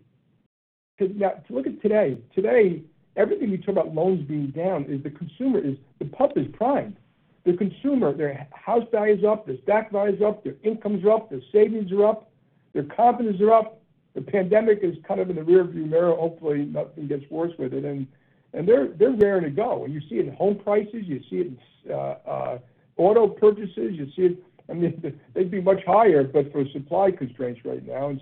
billion. Look at today. Today, everything you hear about loans being down is the consumer is, the public is prime. The consumer, their house value is up, their stock value is up, their incomes are up, their savings are up, their confidence is up. The pandemic is kind of in the rearview mirror. Hopefully nothing gets worse with it, and they're raring to go. You see it in home prices, you see it in auto purchases. They'd be much higher but for supply constraints right now.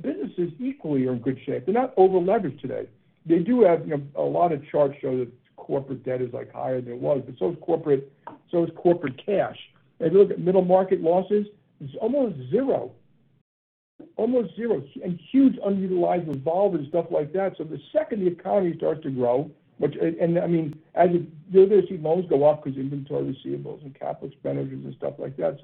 Businesses equally are in good shape. They're not over-leveraged today. They do have a lot of charts show that corporate debt is higher than it was, but so is corporate cash. If you look at middle market losses, it's almost zero. Almost zero. Huge unutilized revolving and stuff like that. The second the economy starts to grow, which, and as you know, they're seeing loans go up because inventory rebuilds and capital expenditures and stuff like that.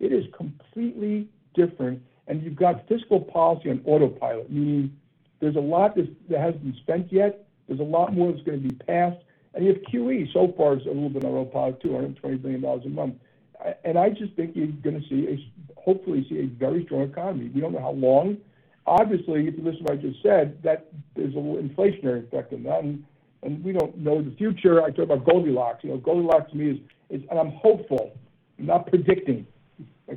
It is completely different. You've got fiscal policy on autopilot, meaning there's a lot that hasn't been spent yet. There's a lot more that's going to be passed. You have QE so far is a little bit on autopilot, $220 billion a month. I just think you're going to see, hopefully see a very strong economy. We don't know how long. Obviously, listen to what I just said, that there's a little inflationary effect of that, and we don't know the future. I talk about Goldilocks. Goldilocks to me is, I'm hopeful. I'm not predicting.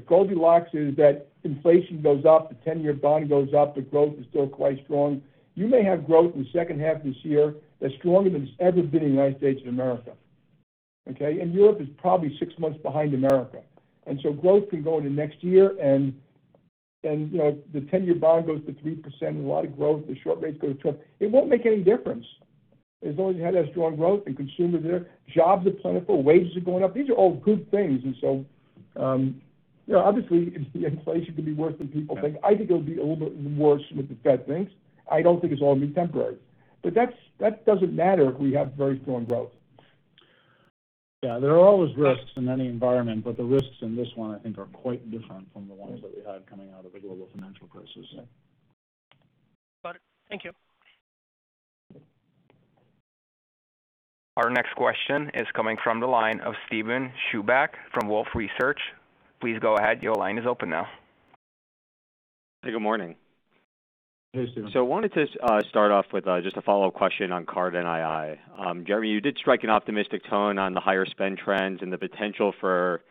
Goldilocks is that inflation goes up, the 10-year bond goes up, the growth is still quite strong. You may have growth in the second half of this year that's stronger than it's ever been in the United States of America. Okay? Europe is probably 6 months behind America. Growth can go into next year, and the 10-year bond goes to 3%, a lot of growth. It won't make any difference. As long as you have that strong growth, the consumer there, jobs are plentiful, wages are going up. These are all good things. Obviously, the inflation can be worse than people think. I think it'll be a little bit worse than what the Fed thinks. I don't think it's all going to be temporary. That doesn't matter if we have very strong growth. There are always risks in any environment, but the risks in this one, I think, are quite different from the ones that we had coming out of the global financial crisis. Got it. Thank you. Our next question is coming from the line of Steven Chubak from Wolfe Research. Please go ahead. Your line is open now. Hey, good morning. Hey, Steven. I wanted to start off with just a follow-up question on card NII. Jeremy, you did strike an optimistic tone on the higher spend trends and the potential for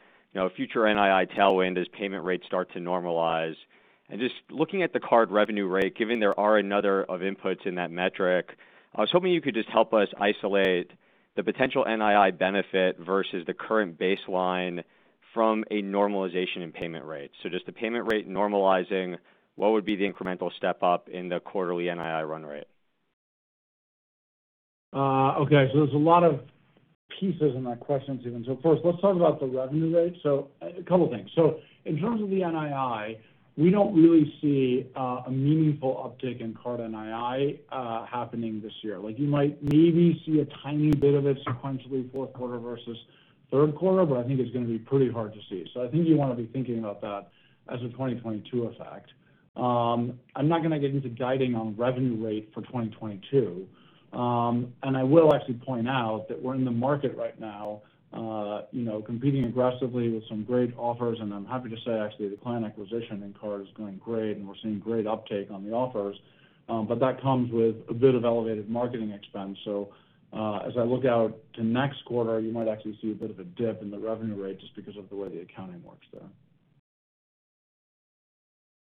future NII tailwind as payment rates start to normalize. Just looking at the card revenue rate, given there are a number of inputs in that metric, I was hoping you could just help us isolate the potential NII benefit versus the current baseline from a normalization in payment rates. Just the payment rate normalizing, what would be the incremental step-up in the quarterly NII run rate? Okay. There's a lot of pieces in that question, Steven. First, let's talk about the revenue rate. A couple things. In terms of the NII, we don't really see a meaningful uptick in card NII happening this year. You might maybe see a tiny bit of it sequentially fourth quarter versus third quarter, I think it's going to be pretty hard to see. I think you want to be thinking about that as a 2022 effect. I'm not going to give you some guiding on revenue rate for 2022. I will actually point out that we're in the market right now competing aggressively with some great offers, I'm happy to say, actually, the client acquisition in card is going great, we're seeing great uptake on the offers. That comes with a bit of elevated marketing expense. As I look out to next quarter, you might actually see a bit of a dip in the revenue rate just because of the way the accounting works there.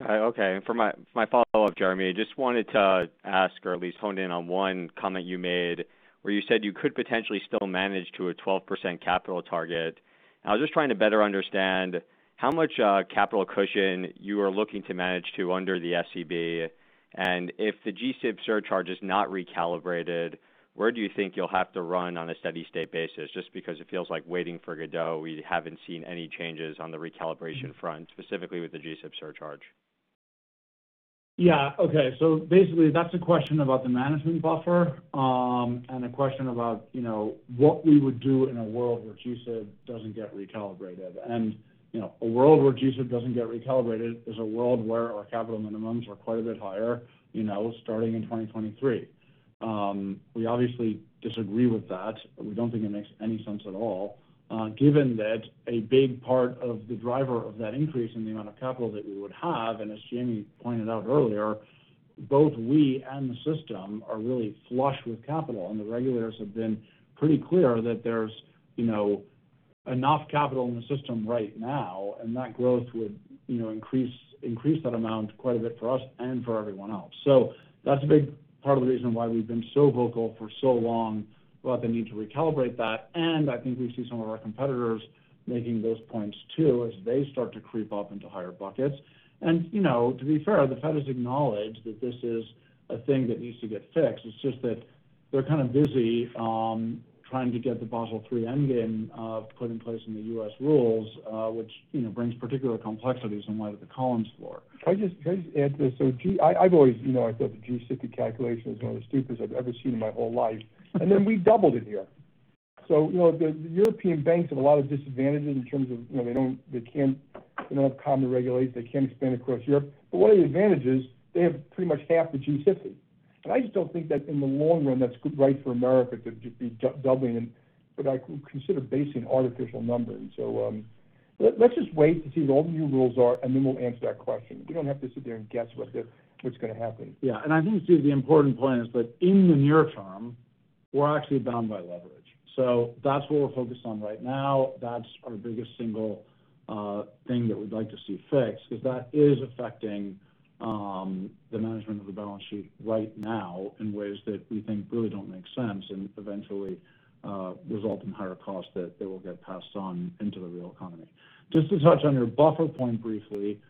Okay. For my follow-up, Jeremy, I just wanted to ask or at least hone in on one comment you made where you said you could potentially still manage to a 12% capital target. I was just trying to better understand how much capital cushion you are looking to manage to under the SCB, and if the G-SIB surcharge is not recalibrated, where do you think you'll have to run on a steady-state basis? Just because it feels like waiting for Godot. We haven't seen any changes on the recalibration front, specifically with the G-SIB surcharge. Okay. Basically that's a question about the management buffer, and a question about what we would do in a world where GSIB doesn't get recalibrated. A world where GSIB doesn't get recalibrated is a world where our capital minimums are quite a bit higher starting in 2023. We obviously disagree with that. We don't think it makes any sense at all given that a big part of the driver of that increase in the amount of capital that we would have, and as Jamie pointed out earlier, both we and the system are really flush with capital. The regulators have been pretty clear that there's enough capital in the system right now, and that growth would increase that amount quite a bit for us and for everyone else. That's a big part of the reason why we've been so vocal for so long about the need to recalibrate that. I think we see some of our competitors making those points too as they start to creep up into higher buckets. To be fair, the Fed has acknowledged that this is a thing that needs to get fixed. It's just that they're kind of busy trying to get the Basel III endgame put in place in the U.S. rules which brings particular complexities in light of the Collins floor. Can I just add to it? I've always said the G-SIFI calculation is one of the stupidest I've ever seen in my whole life. Then we doubled it here. The European banks have a lot of disadvantages in terms of they don't have common regulators. They can't expand across Europe. One of the advantages, they have pretty much half the G-SIFI. I just don't think that in the long run that's good right for America to just be doubling what I could consider basically an artificial number. Let's just wait to see what all the new rules are. Then we'll answer that question. We don't have to sit there and guess what's going to happen. Yeah. I think, too, the important point is that in the near term, we're actually bound by leverage. That's what we're focused on right now. That's our biggest single thing that we'd like to see fixed because that is affecting the management of the balance sheet right now in ways that we think really don't make sense and eventually result in higher costs that will get passed on into the real economy. Just to touch on your buffer point briefly.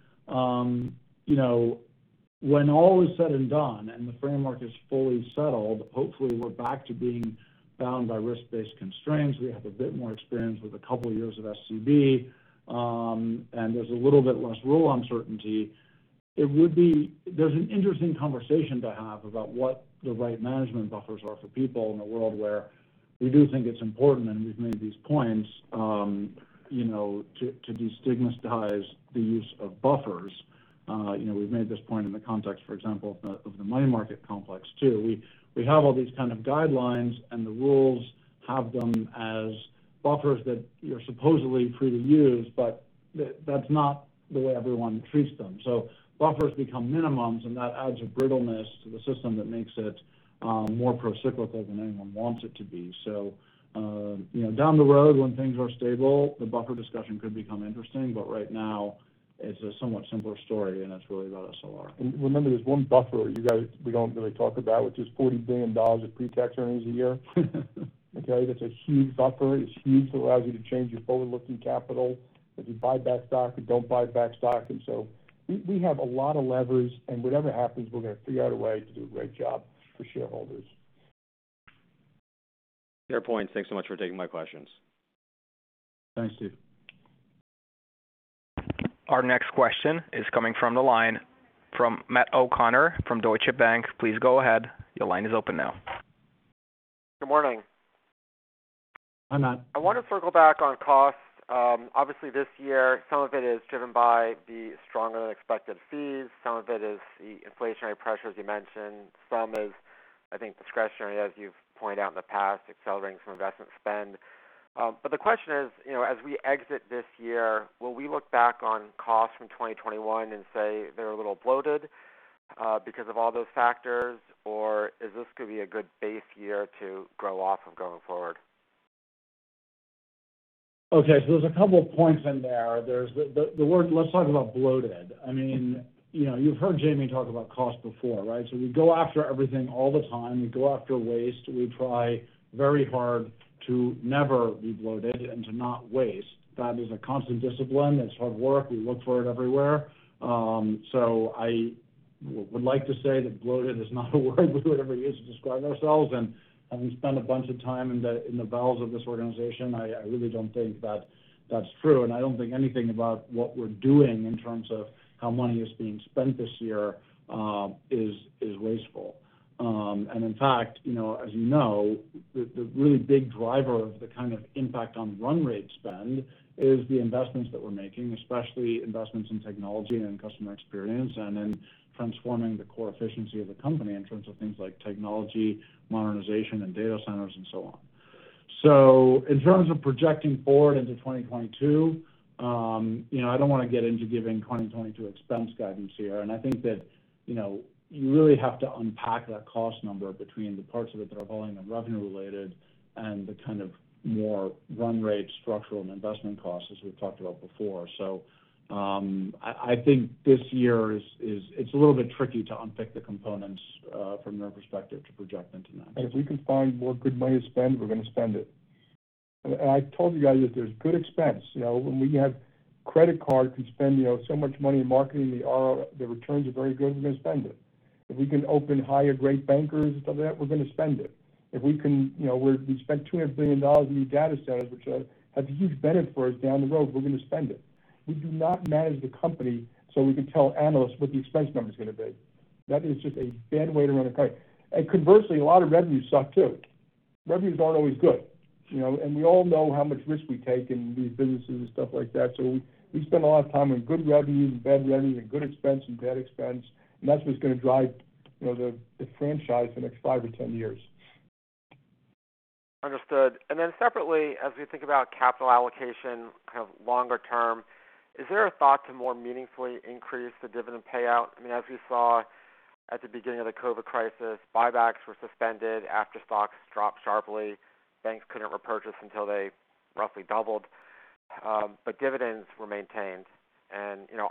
When all is said and done and the framework is fully settled, hopefully we're back to being bound by risk-based constraints. We have a bit more experience with a couple of years of SCB, and there's a little bit less rule uncertainty. There's an interesting conversation to have about what the right management buffers are for people in a world where we do think it's important, and we've made these points, to destigmatize the use of buffers. We've made this point in the context, for example, of the money market complex too. We have all these kind of guidelines, and the rules have them as buffers that you're supposedly free to use, but that's not the way everyone treats them. Buffers become minimums, and that adds a brittleness to the system that makes it more procyclical than anyone wants it to be. Down the road when things are stable, the buffer discussion could become interesting. Right now it's a somewhat simpler story, and it's really about SLR. Remember, there's one buffer we don't really talk about, which is $40 billion of pretax earnings a year. Okay. That's a huge buffer. It's huge. It allows you to change your forward-looking capital, if you buy back stock or don't buy back stock. We have a lot of levers, and whatever happens, we're going to figure out a way to do a great job for shareholders. Fair point. Thanks so much for taking my questions. Thanks, Steve. Our next question is coming from the line from Matt O'Connor from Deutsche Bank. Please go ahead. Good morning. Hi, Matt. I wanted to circle back on costs. Obviously this year, some of it is driven by the stronger-than-expected fees. Some of it is the inflationary pressures you mentioned. Some of it is, I think, discretionary, as you've pointed out in the past, accelerating some investment spend. The question is, as we exit this year, will we look back on costs from 2021 and say they're a little bloated because of all those factors, or is this going to be a good base year to grow off of going forward? There's a couple of points in there. Let's talk about bloated. You've heard Jamie talk about cost before, right? We go after everything all the time. We go after waste. We try very hard to never be bloated and to not waste. That is a constant discipline. It's hard work. We look for it everywhere. I would like to say that bloated is not a word we would ever use to describe ourselves. And having spent a bunch of time in the bowels of this organization, I really don't think that that's true. And I don't think anything about what we're doing in terms of how money is being spent this year is wasteful. In fact, as you know, the really big driver of the kind of impact on run rate spend is the investments that we're making, especially investments in technology and customer experience and in transforming the core efficiency of the company in terms of things like technology, modernization, and data centers and so on. In terms of projecting forward into 2022, I don't want to get into giving 2022 expense guidance here. I think that you really have to unpack that cost number between the parts of it that are volume and revenue related and the kind of more run rate structural investment costs as we've talked about before. I think this year it's a little bit tricky to unpick the components from your perspective to project into next year. If we can find more good money to spend, we're going to spend it. I told you guys that there's good expense. When we have credit card, we spend so much money in marketing, the returns are very good, we're going to spend it. If we can open branches, hire bankers and stuff like that, we're going to spend it. We spent $200 billion in data centers, which will have a huge benefit for us down the road. We're going to spend it. We do not manage the company so we can tell analysts what the expense number's going to be. That is just a bad way to run a company. Conversely, a lot of revenues suck too. Revenues aren't always good. We all know how much risk we take in these businesses and stuff like that. We spend a lot of time on good revenues and bad revenues and good expense and bad expense, and that's what's going to drive the franchise the next five or 10 years. Understood. Separately, as we think about capital allocation kind of longer term, is there a thought to more meaningfully increase the dividend payout? As we saw at the beginning of the COVID crisis, buybacks were suspended after stocks dropped sharply. Banks couldn't repurchase until they roughly doubled. Dividends were maintained.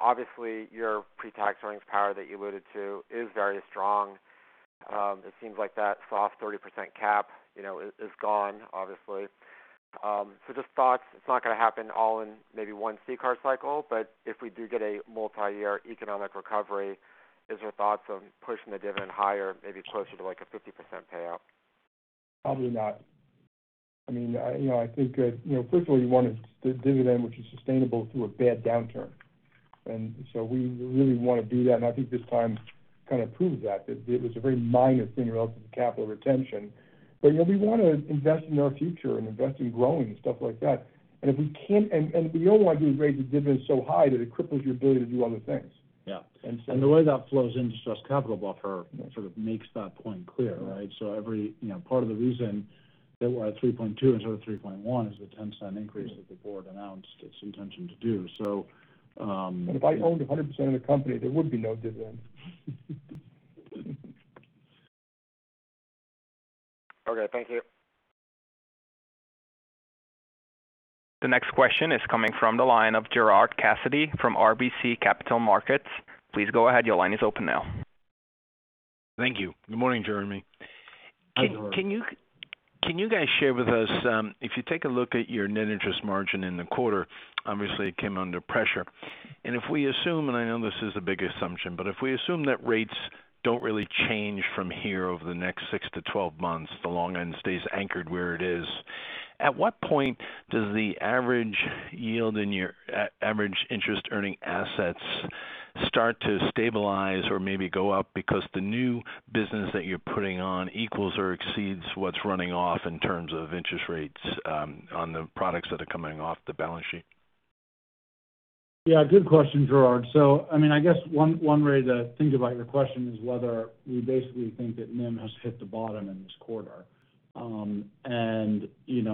Obviously your pre-tax earnings power that you alluded to is very strong. It seems like that soft 30% cap is gone, obviously. Just thoughts. It's not going to happen all in maybe one CCAR cycle, but if we do get a multi-year economic recovery, is there thoughts on pushing the dividend higher, maybe closer to a 50% payout? Probably not. First of all, we want a dividend which is sustainable through a bad downturn. We really want to do that, and I think this time kind of proved that. It was a very minor thing relative to capital retention. We want to invest in our future and invest in growing and stuff like that. We don't want to raise the dividend so high that it cripples your ability to do other things. Yeah. The way that flows into stress capital buffer sort of makes that point clear, right? Part of the reason that we're at 3.2 instead of 3.1 is the $0.10 increase that the board announced its intention to do. If I owned 100% of the company, there would be no dividend. Okay. Thank you. The next question is coming from the line of Gerard Cassidy from RBC Capital Markets. Please go ahead, your line is open now. Thank you. Good morning, Jeremy. Good morning. Can you guys share with us, if you take a look at your net interest margin in the quarter, obviously it came under pressure. I know this is a big assumption, but if we assume that rates don't really change from here over the next 6-12 months, the long end stays anchored where it is. At what point does the average interest earning assets start to stabilize or maybe go up because the new business that you're putting on equals or exceeds what's running off in terms of interest rates on the products that are coming off the balance sheet? Yeah, good question, Gerard. I guess 1 way to think about your question is whether we basically think that NIM has hit the bottom in this quarter.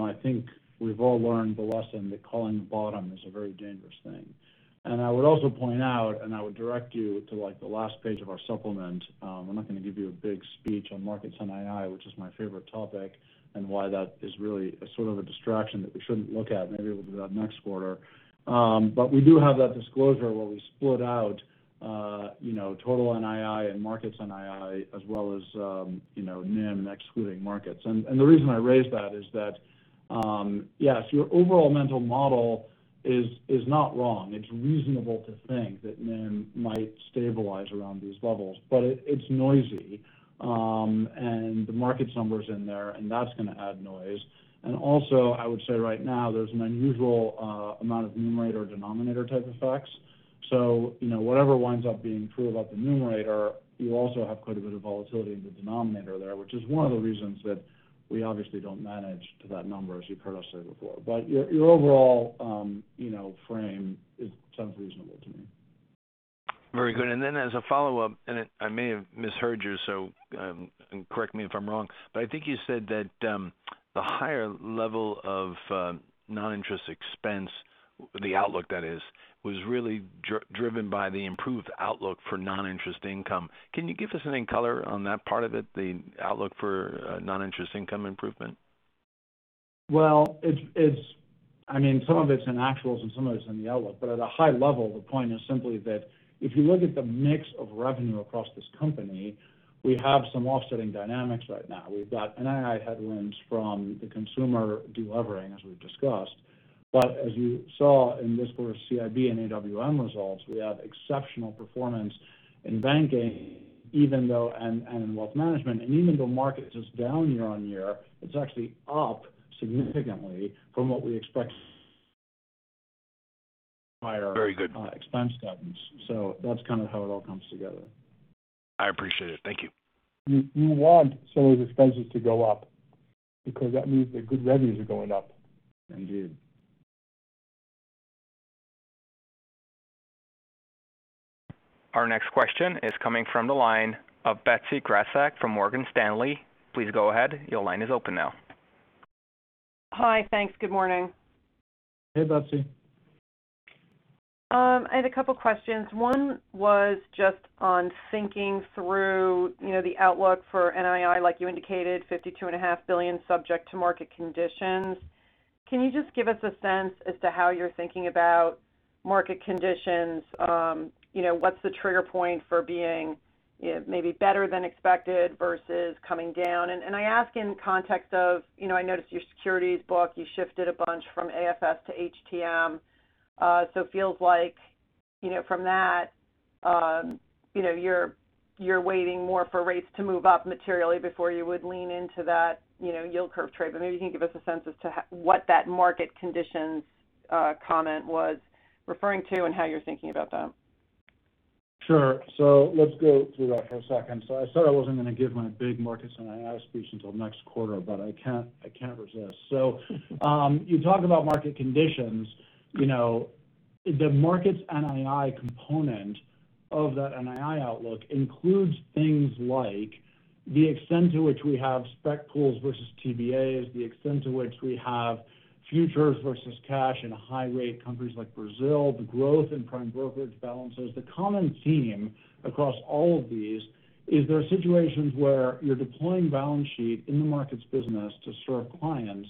I think we've all learned the lesson that calling the bottom is a very dangerous thing. I would also point out, I would direct you to the last page of our supplement. I'm not going to give you a big speech on markets NII, which is my favorite topic, and why that is really a sort of a distraction that we shouldn't look at. Maybe we'll do that next quarter. We do have that disclosure where we split out total NII and markets NII as well as NIM excluding markets. The reason I raise that is that yes, your overall mental model is not wrong. It's reasonable to think that NIM might stabilize around these levels, it's noisy. The markets number's in there, and that's going to add noise. Also, I would say right now, there's an unusual amount of numerator/denominator type effects. Whatever winds up being true about the numerator, you also have quite a bit of volatility in the denominator there, which is one of the reasons that we obviously don't manage to that number, as you've heard us say before. Your overall frame sounds reasonable to me. Very good. As a follow-up, I may have misheard you, correct me if I'm wrong, I think you said that the higher level of non-interest expense, the outlook that is, was really driven by the improved outlook for non-interest income. Can you give us any color on that part of it, the outlook for non-interest income improvement? Some of it's in actuals and some of it's in the outlook. At a high level, the point is simply that if you look at the mix of revenue across this company, we have some offsetting dynamics right now. We've got NII headwinds from the consumer de-levering, as we've discussed. As you saw in this quarter's CIB and AWM results, we have exceptional performance in banking and in wealth management. Even though markets is down year-on-year, it's actually up significantly from what we expect. Very good. expense patterns. That's kind of how it all comes together. I appreciate it. Thank you. You want some of the expenses to go up because that means that good revenues are going up. Indeed. Our next question is coming from the line of Betsy Graseck from Morgan Stanley. Please go ahead. Your line is open now. Hi. Thanks. Good morning. Hey, Betsy. I had a couple questions. One was just on thinking through the outlook for NII, like you indicated, $52.5 billion subject to market conditions. Can you just give us a sense as to how you're thinking about market conditions? What's the trigger point for being maybe better than expected versus coming down? I ask in the context of I noticed your securities book, you shifted a bunch from AFS to HTM. So it feels like from that you're waiting more for rates to move up materially before you would lean into that yield curve trade. Maybe you can give us a sense as to what that market conditions comment was referring to and how you're thinking about that. Sure. Let's go through that for a second. I said I wasn't going to give my big markets NII speech until next quarter, but I can't resist. You talk about market conditions. The markets NII component of that NII outlook includes things like the extent to which we have spec pools versus TBAs, the extent to which we have futures versus cash in high rate countries like Brazil, the growth in prime brokerage balances. The common theme across all of these is there are situations where you're deploying balance sheet in the markets business to serve clients.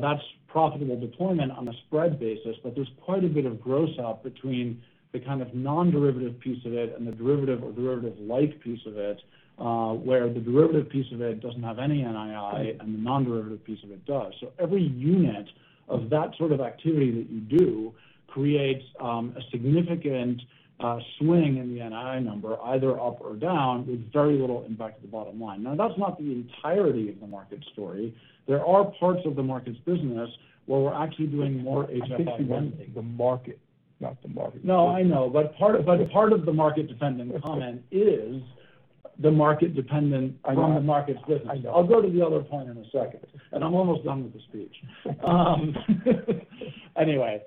That's profitable deployment on a spread basis, but there's quite a bit of gross out between the kind of non-derivative piece of it and the derivative or derivative-like piece of it where the derivative piece of it doesn't have any NII, and the non-derivative piece of it does. Every unit of that sort of activity that you do creates a significant swing in the NII number, either up or down, with very little impact to the bottom line. That's not the entirety of the markets story. There are parts of the markets business where we're actually doing more HFS. The market, not the markets business. No, I know. Part of the market dependent comment is the market dependent from the markets business. I'll go to the other point in a second, I'm almost done with the speech. Anyway,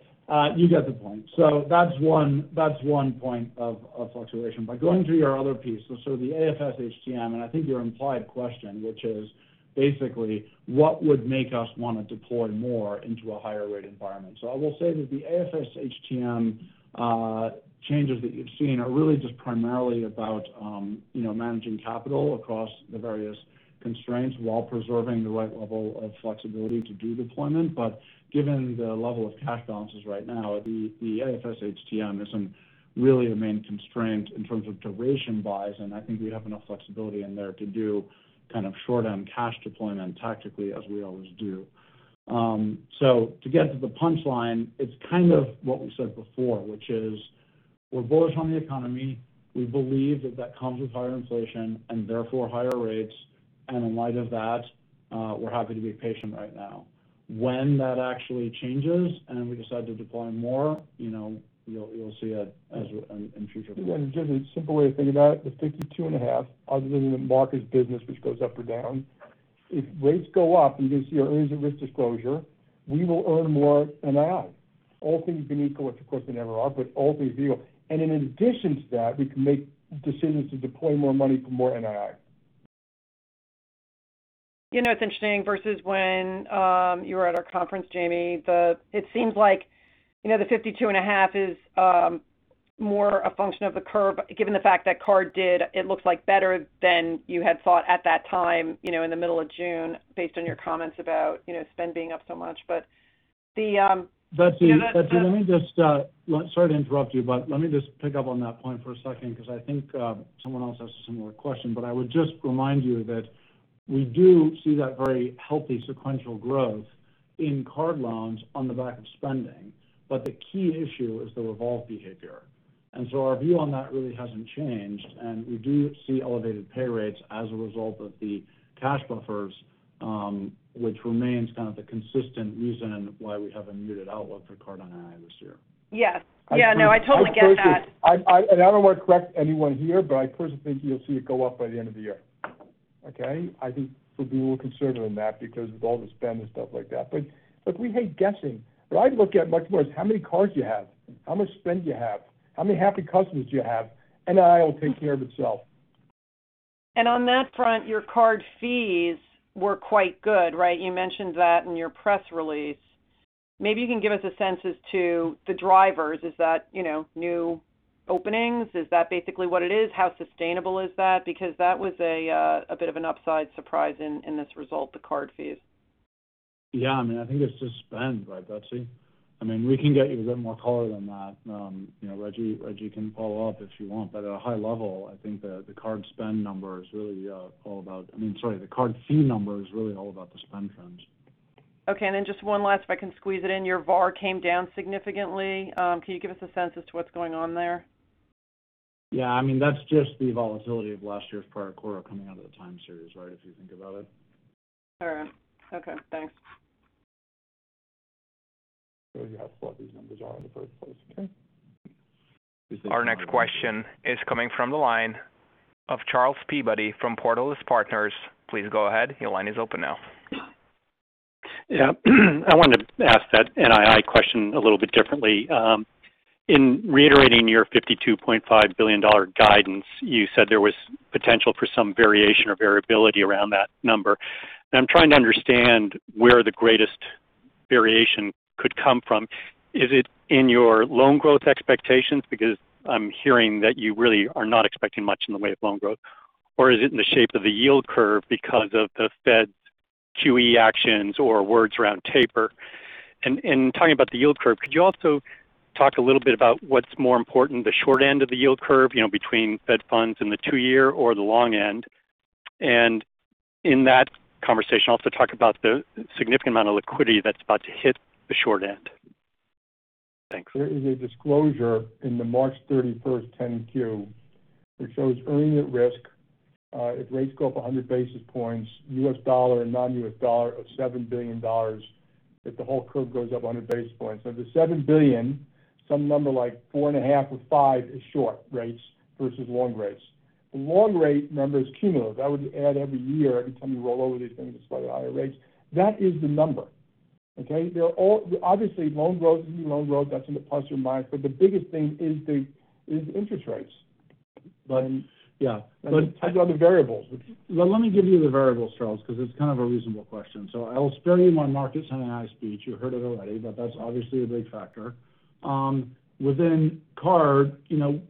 you get the point. That's one point of fluctuation. Going to your other piece, so the AFS HTM, and I think your implied question, which is basically what would make us want to deploy more into a higher rate environment. I will say that the AFS HTM changes that you've seen are really just primarily about managing capital across the various constraints while preserving the right level of flexibility to do deployment. Given the level of cash balances right now, the AFS HTM isn't really a main constraint in terms of duration buys, and I think we have enough flexibility in there to do kind of short-term cash deployment tactically as we always do. To get to the punchline, it's kind of what we said before, which is we're bullish on the economy. We believe that that comes with higher inflation and therefore higher rates. In light of that, we're happy to be patient right now. When that actually changes and we decide to deploy more, you'll see it in future quarters. A simple way to think about it, the 52 and a half, other than the markets business which goes up or down, if rates go up in this year, here's a risk disclosure, we will earn more NII. All things being equal, which of course they never are, but all things being equal. In addition to that, we can make decisions to deploy more money for more NII. It's interesting versus when you were at our conference, Jamie. It seems like the 52 and a half is more a function of the curve given the fact that card did, it looks like better than you had thought at that time in the middle of June based on your comments about spending up so much. Betsy, sorry to interrupt you, but let me just pick up on that point for a second because I think someone else asked a similar question. I would just remind you that we do see that very healthy sequential growth in card loans on the back of spending. The key issue is the revolve behavior. Our view on that really hasn't changed, and we do see elevated pay rates as a result of the cash buffers which remains kind of the consistent reason why we have a muted outlook for card NII this year. Yes. No, I totally get that. I don't want to correct anyone here, but I personally think you'll see it go up by the end of the year. Okay? I think we'll be a little conservative on that because of all the spend and stuff like that. We hate guessing. I'd look at much more is how many cards you have, how much spend you have, how many happy customers you have. NII will take care of itself. On that front, your card fees were quite good, right? You mentioned that in your press release. Maybe you can give us a sense as to the drivers. Is that new openings? Is that basically what it is? How sustainable is that? That was a bit of an upside surprise in this result, the card fees. Yeah, I think it's just spend, right, Betsy? We can get you a bit more color than that. Reggie can follow up if you want. At a high level, I think the card spend number is really all about, sorry, the card fee number is really all about the spend trends. Okay, just one last if I can squeeze it in. Your VaR came down significantly. Can you give us a sense as to what's going on there? That's just the volatility of last year's fourth quarter coming out of the time series, right, if you think about it. All right. Okay, thanks. You have to ask what these numbers are in the first place. Okay. Our next question is coming from the line of Charles Peabody from Portales Partners. Please go ahead. Your line is open now. Yeah, I wanted to ask that NII question a little bit differently. In reiterating your $52.5 billion guidance, you said there was potential for some variation or variability around that number. I'm trying to understand where the greatest variation could come from. Is it in your loan growth expectations? Because I'm hearing that you really are not expecting much in the way of loan growth. Or is it in the shape of the yield curve because of the Fed's QE actions or words around taper? Talking about the yield curve, could you also talk a little bit about what's more important, the short end of the yield curve between Fed funds and the 2-year or the long end? In that conversation, I'll also talk about the significant amount of liquidity that's about to hit the short end. Thanks. There is a disclosure in the March 31st 10-Q, which shows earning at risk if rates go up 100 basis points, U.S. dollar and non-U.S. dollar of $7 billion if the whole curve goes up 100 basis points. Of the $7 billion, some number like 4.5 or 5 is short rates versus long rates. The long rate number is cumulative. That would add every year every time you roll over these things to slightly higher rates. That is the number. Okay? Obviously, loan growth is loan growth. That's in the plus or minus. The biggest thing is interest rates. But- Yeah. But- How about the variables? Well, let me give you the variables, Charles, because it's kind of a reasonable question. I will spare you my market-centered NII speech. You heard it already, but that's obviously a big factor. Within CARD,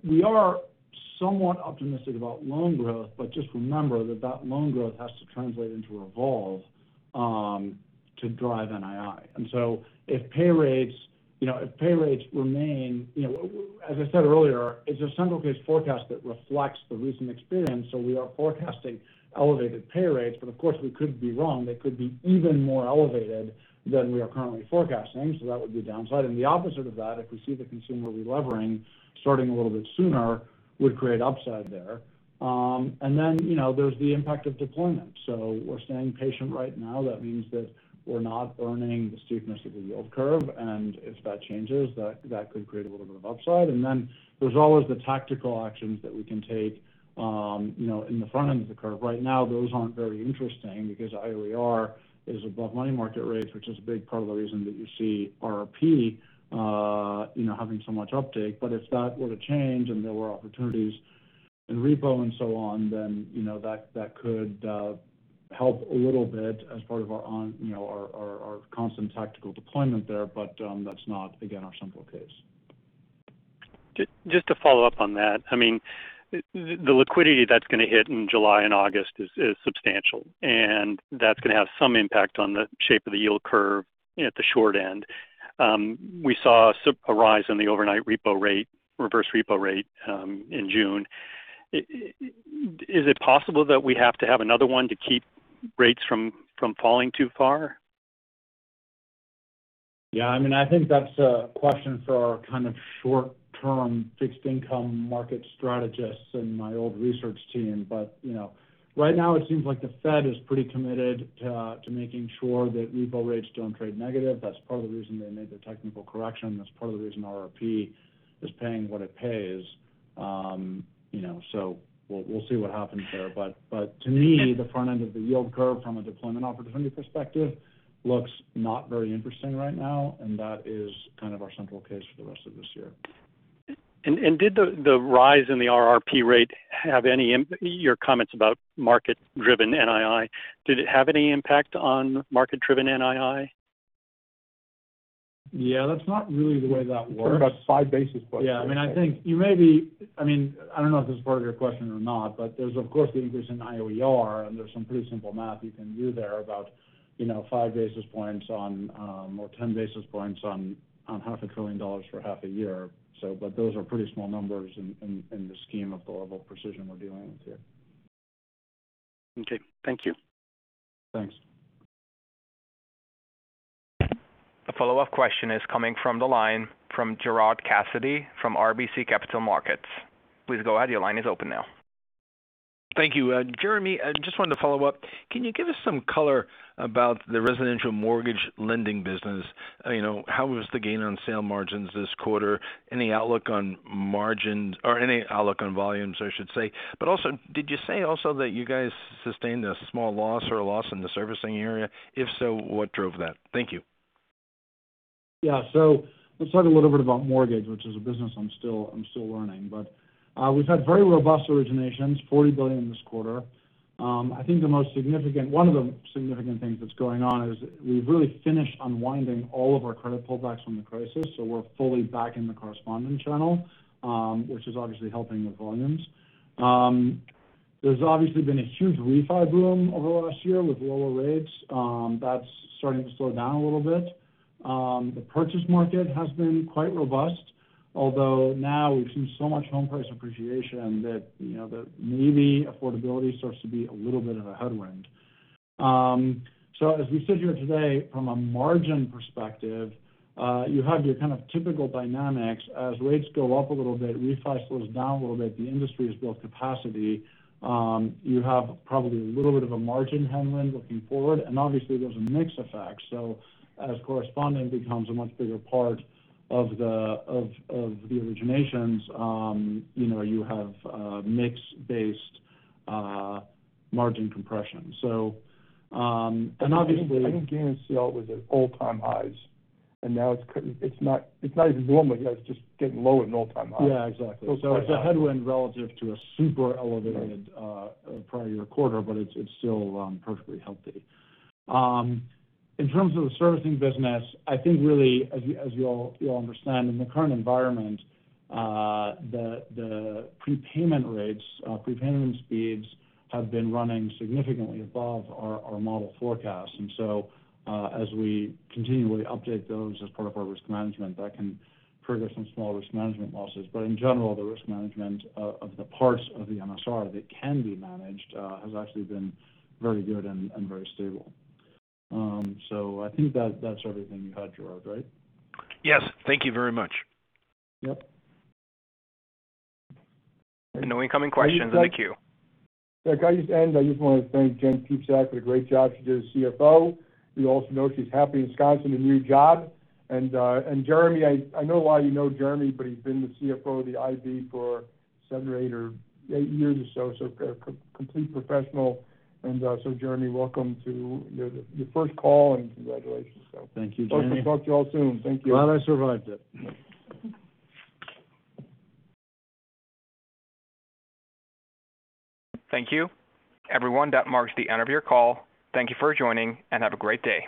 we are somewhat optimistic about loan growth, but just remember that that loan growth has to translate into revolve to drive NII. If pay rates remain, as I said earlier, it's a central case forecast that reflects the recent experience, we are forecasting elevated pay rates, but of course, we could be wrong. They could be even more elevated than we are currently forecasting. That would be a downside. The opposite of that, if we see the consumer relevering starting a little bit sooner would create upside there. Then there's the impact of deployment. We're staying patient right now. That means that we're not earning the steepness of the yield curve. If that changes, that could create a little bit of upside. There's always the tactical actions that we can take in the front end of the curve. Right now, those aren't very interesting because IOER is above money market rates, which is a big part of the reason that you see RRP having so much uptake. If that were to change and there were opportunities in repo and so on, then that could help a little bit as part of our constant tactical deployment there. That's not, again, our central case. Just to follow up on that. The liquidity that's going to hit in July and August is substantial, and that's going to have some impact on the shape of the yield curve at the short end. We saw a rise in the overnight reverse repo rate in June. Is it possible that we have to have another one to keep rates from falling too far? Yeah, I think that's a question for our kind of short-term fixed income market strategists in my old research team. Right now it seems like the Fed is pretty committed to making sure that repo rates don't trade negative. That's part of the reason they made the technical correction. That's part of the reason RRP is paying what it pays. We'll see what happens there. To me, the front end of the yield curve from a deployment opportunity perspective looks not very interesting right now, and that is kind of our central case for the rest of this year. Did the rise in the RRP rate, your comments about market-driven NII, did it have any impact on market-driven NII? Yeah, that's not really the way that works. We're talking about 5 basis points. Yeah. I don't know if this is part of your question or not, but there's, of course, the increase in IOER, and there's some pretty simple math you can do there about 5 basis points or 10 basis points on 500 billion dollars for half a year. Those are pretty small numbers in the scheme of the level of precision we're dealing with here. Okay. Thank you. Thanks. A follow-up question is coming from the line from Gerard Cassidy from RBC Capital Markets. Please go ahead. Your line is open now. Thank you. Jeremy, I just wanted to follow up. Can you give us some color about the residential mortgage lending business? How was the gain on sale margins this quarter? Any outlook on margins or any outlook on volumes, I should say? Also, did you say also that you guys sustained a small loss or a loss in the servicing area? If so, what drove that? Thank you. Let's talk a little bit about mortgage, which is a business I'm still learning. We've had very robust originations, $40 billion this quarter. I think one of the significant things that's going on is we've really finished unwinding all of our credit pullbacks from the crisis. We're fully back in the correspondent channel, which is obviously helping the volumes. There's obviously been a huge refi boom over the last year with lower rates. That's starting to slow down a little bit. The purchase market has been quite robust, although now we've seen so much home price appreciation that maybe affordability starts to be a little bit of a headwind. As we sit here today, from a margin perspective, you have your kind of typical dynamics. As rates go up a little bit, refi slows down a little bit. The industry has built capacity. You have probably a little bit of a margin headwind looking forward. Obviously, there's a mix effect. As correspondent becomes a much bigger part of the originations, you have mix-based margin compression. I think gain and sale was at all-time highs, and now it's not even normal. It's just getting low at an all-time high. Yeah, exactly. So it's- It's a headwind relative to a super elevated prior quarter, but it's still perfectly healthy. In terms of the servicing business, I think really, as you all understand, in the current environment, the prepayment rates, prepayment speeds have been running significantly above our model forecasts. As we continually update those as part of our risk management, that can trigger some small risk management losses. In general, the risk management of the parts of the MSR that can be managed has actually been very good and very stable. I think that's everything you had, Gerard, right? Yes. Thank you very much. Yep. No incoming questions in the queue. Can I just end? I just want to thank Jennifer Piepszak for the great job she did as CFO. We also know she's happy in the Consumer business bank in a new job. Jeremy, I know a lot of you know Jeremy, but he's been the CFO of the IB for 7 or 8 years or so. Complete professional. Jeremy, welcome to your first call, and congratulations. Thank you, Jeremy. Hope to talk to you all soon. Thank you. Glad I survived it. Thank you, everyone. That marks the end of your call. Thank you for joining, and have a great day.